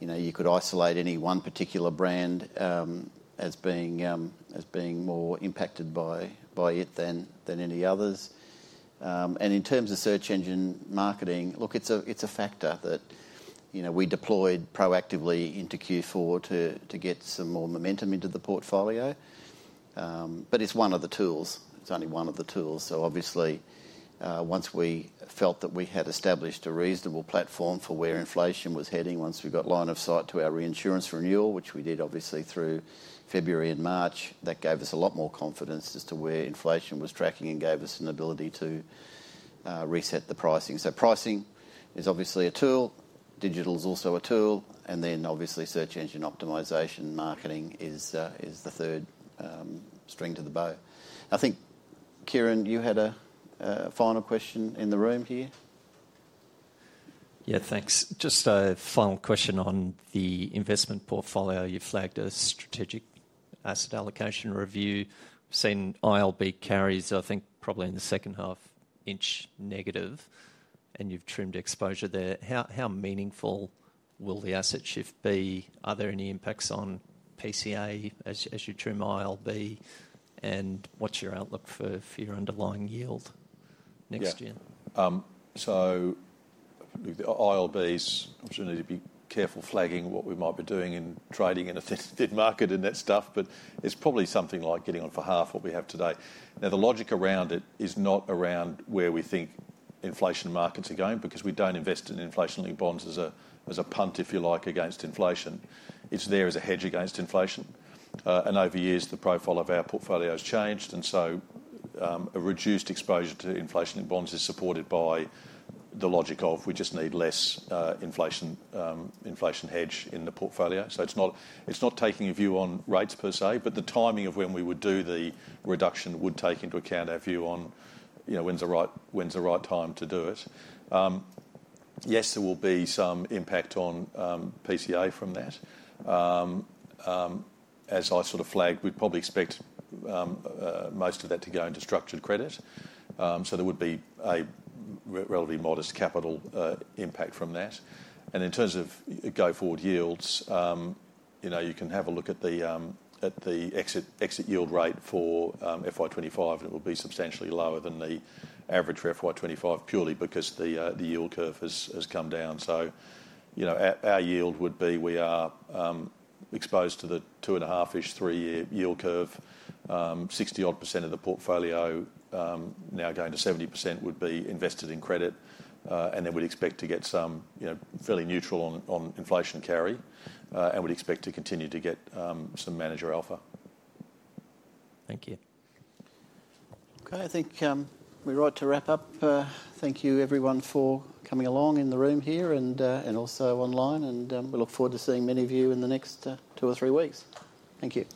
[SPEAKER 1] you could isolate any one particular brand as being more impacted by it than any others. In terms of search engine marketing, it's a factor that we deployed proactively into Q4 to get some more momentum into the portfolio. It's one of the tools. It's only one of the tools. Obviously, once we felt that we had established a reasonable platform for where inflation was heading, once we got line of sight to our reinsurance renewal, which we did obviously through February and March, that gave us a lot more confidence as to where inflation was tracking and gave us an ability to reset the pricing. Pricing is obviously a tool. Digital is also a tool. Obviously, search engine optimization and marketing is the third string to the bow. I think, Kieran, you had a final question in the room here.
[SPEAKER 3] Yeah, thanks. Just a final question on the investment portfolio. You flagged a strategic asset allocation review. I've seen ILB carries, I think, probably in the second half, inch negative. You've trimmed exposure there. How meaningful will the asset shift be? Are there any impacts on PCA as you trim ILB? What's your outlook for your underlying yield next year?
[SPEAKER 2] Yeah, so ILBs, obviously, need to be careful flagging what we might be doing in trading in a fed market and that stuff. It's probably something like getting on for half what we have today. The logic around it is not around where we think inflation markets are going because we don't invest in inflationary bonds as a punt, if you like, against inflation. It's there as a hedge against inflation. Over the years, the profile of our portfolio has changed, and a reduced exposure to inflationary bonds is supported by the logic of we just need less inflation hedge in the portfolio. It's not taking a view on rates per se, but the timing of when we would do the reduction would take into account our view on, you know, when's the right time to do it. Yes, there will be some impact on PCA from that. As I sort of flagged, we'd probably expect most of that to go into structured credit, so there would be a relatively modest capital impact from that. In terms of going forward yields, you can have a look at the exit yield rate for FY 2025, and it will be substantially lower than the average for FY 2025 purely because the yield curve has come down. Our yield would be we are exposed to 2.5-ish three-year yield curve. 60-odd percent of the portfolio now going to 70% would be invested in credit, and we'd expect to get some, you know, fairly neutral on inflation carry. We'd expect to continue to get some manager alpha.
[SPEAKER 3] Thank you.
[SPEAKER 1] Okay, I think we're right to wrap up. Thank you, everyone, for coming along in the room here and also online. We look forward to seeing many of you in the next two or three weeks. Thank you.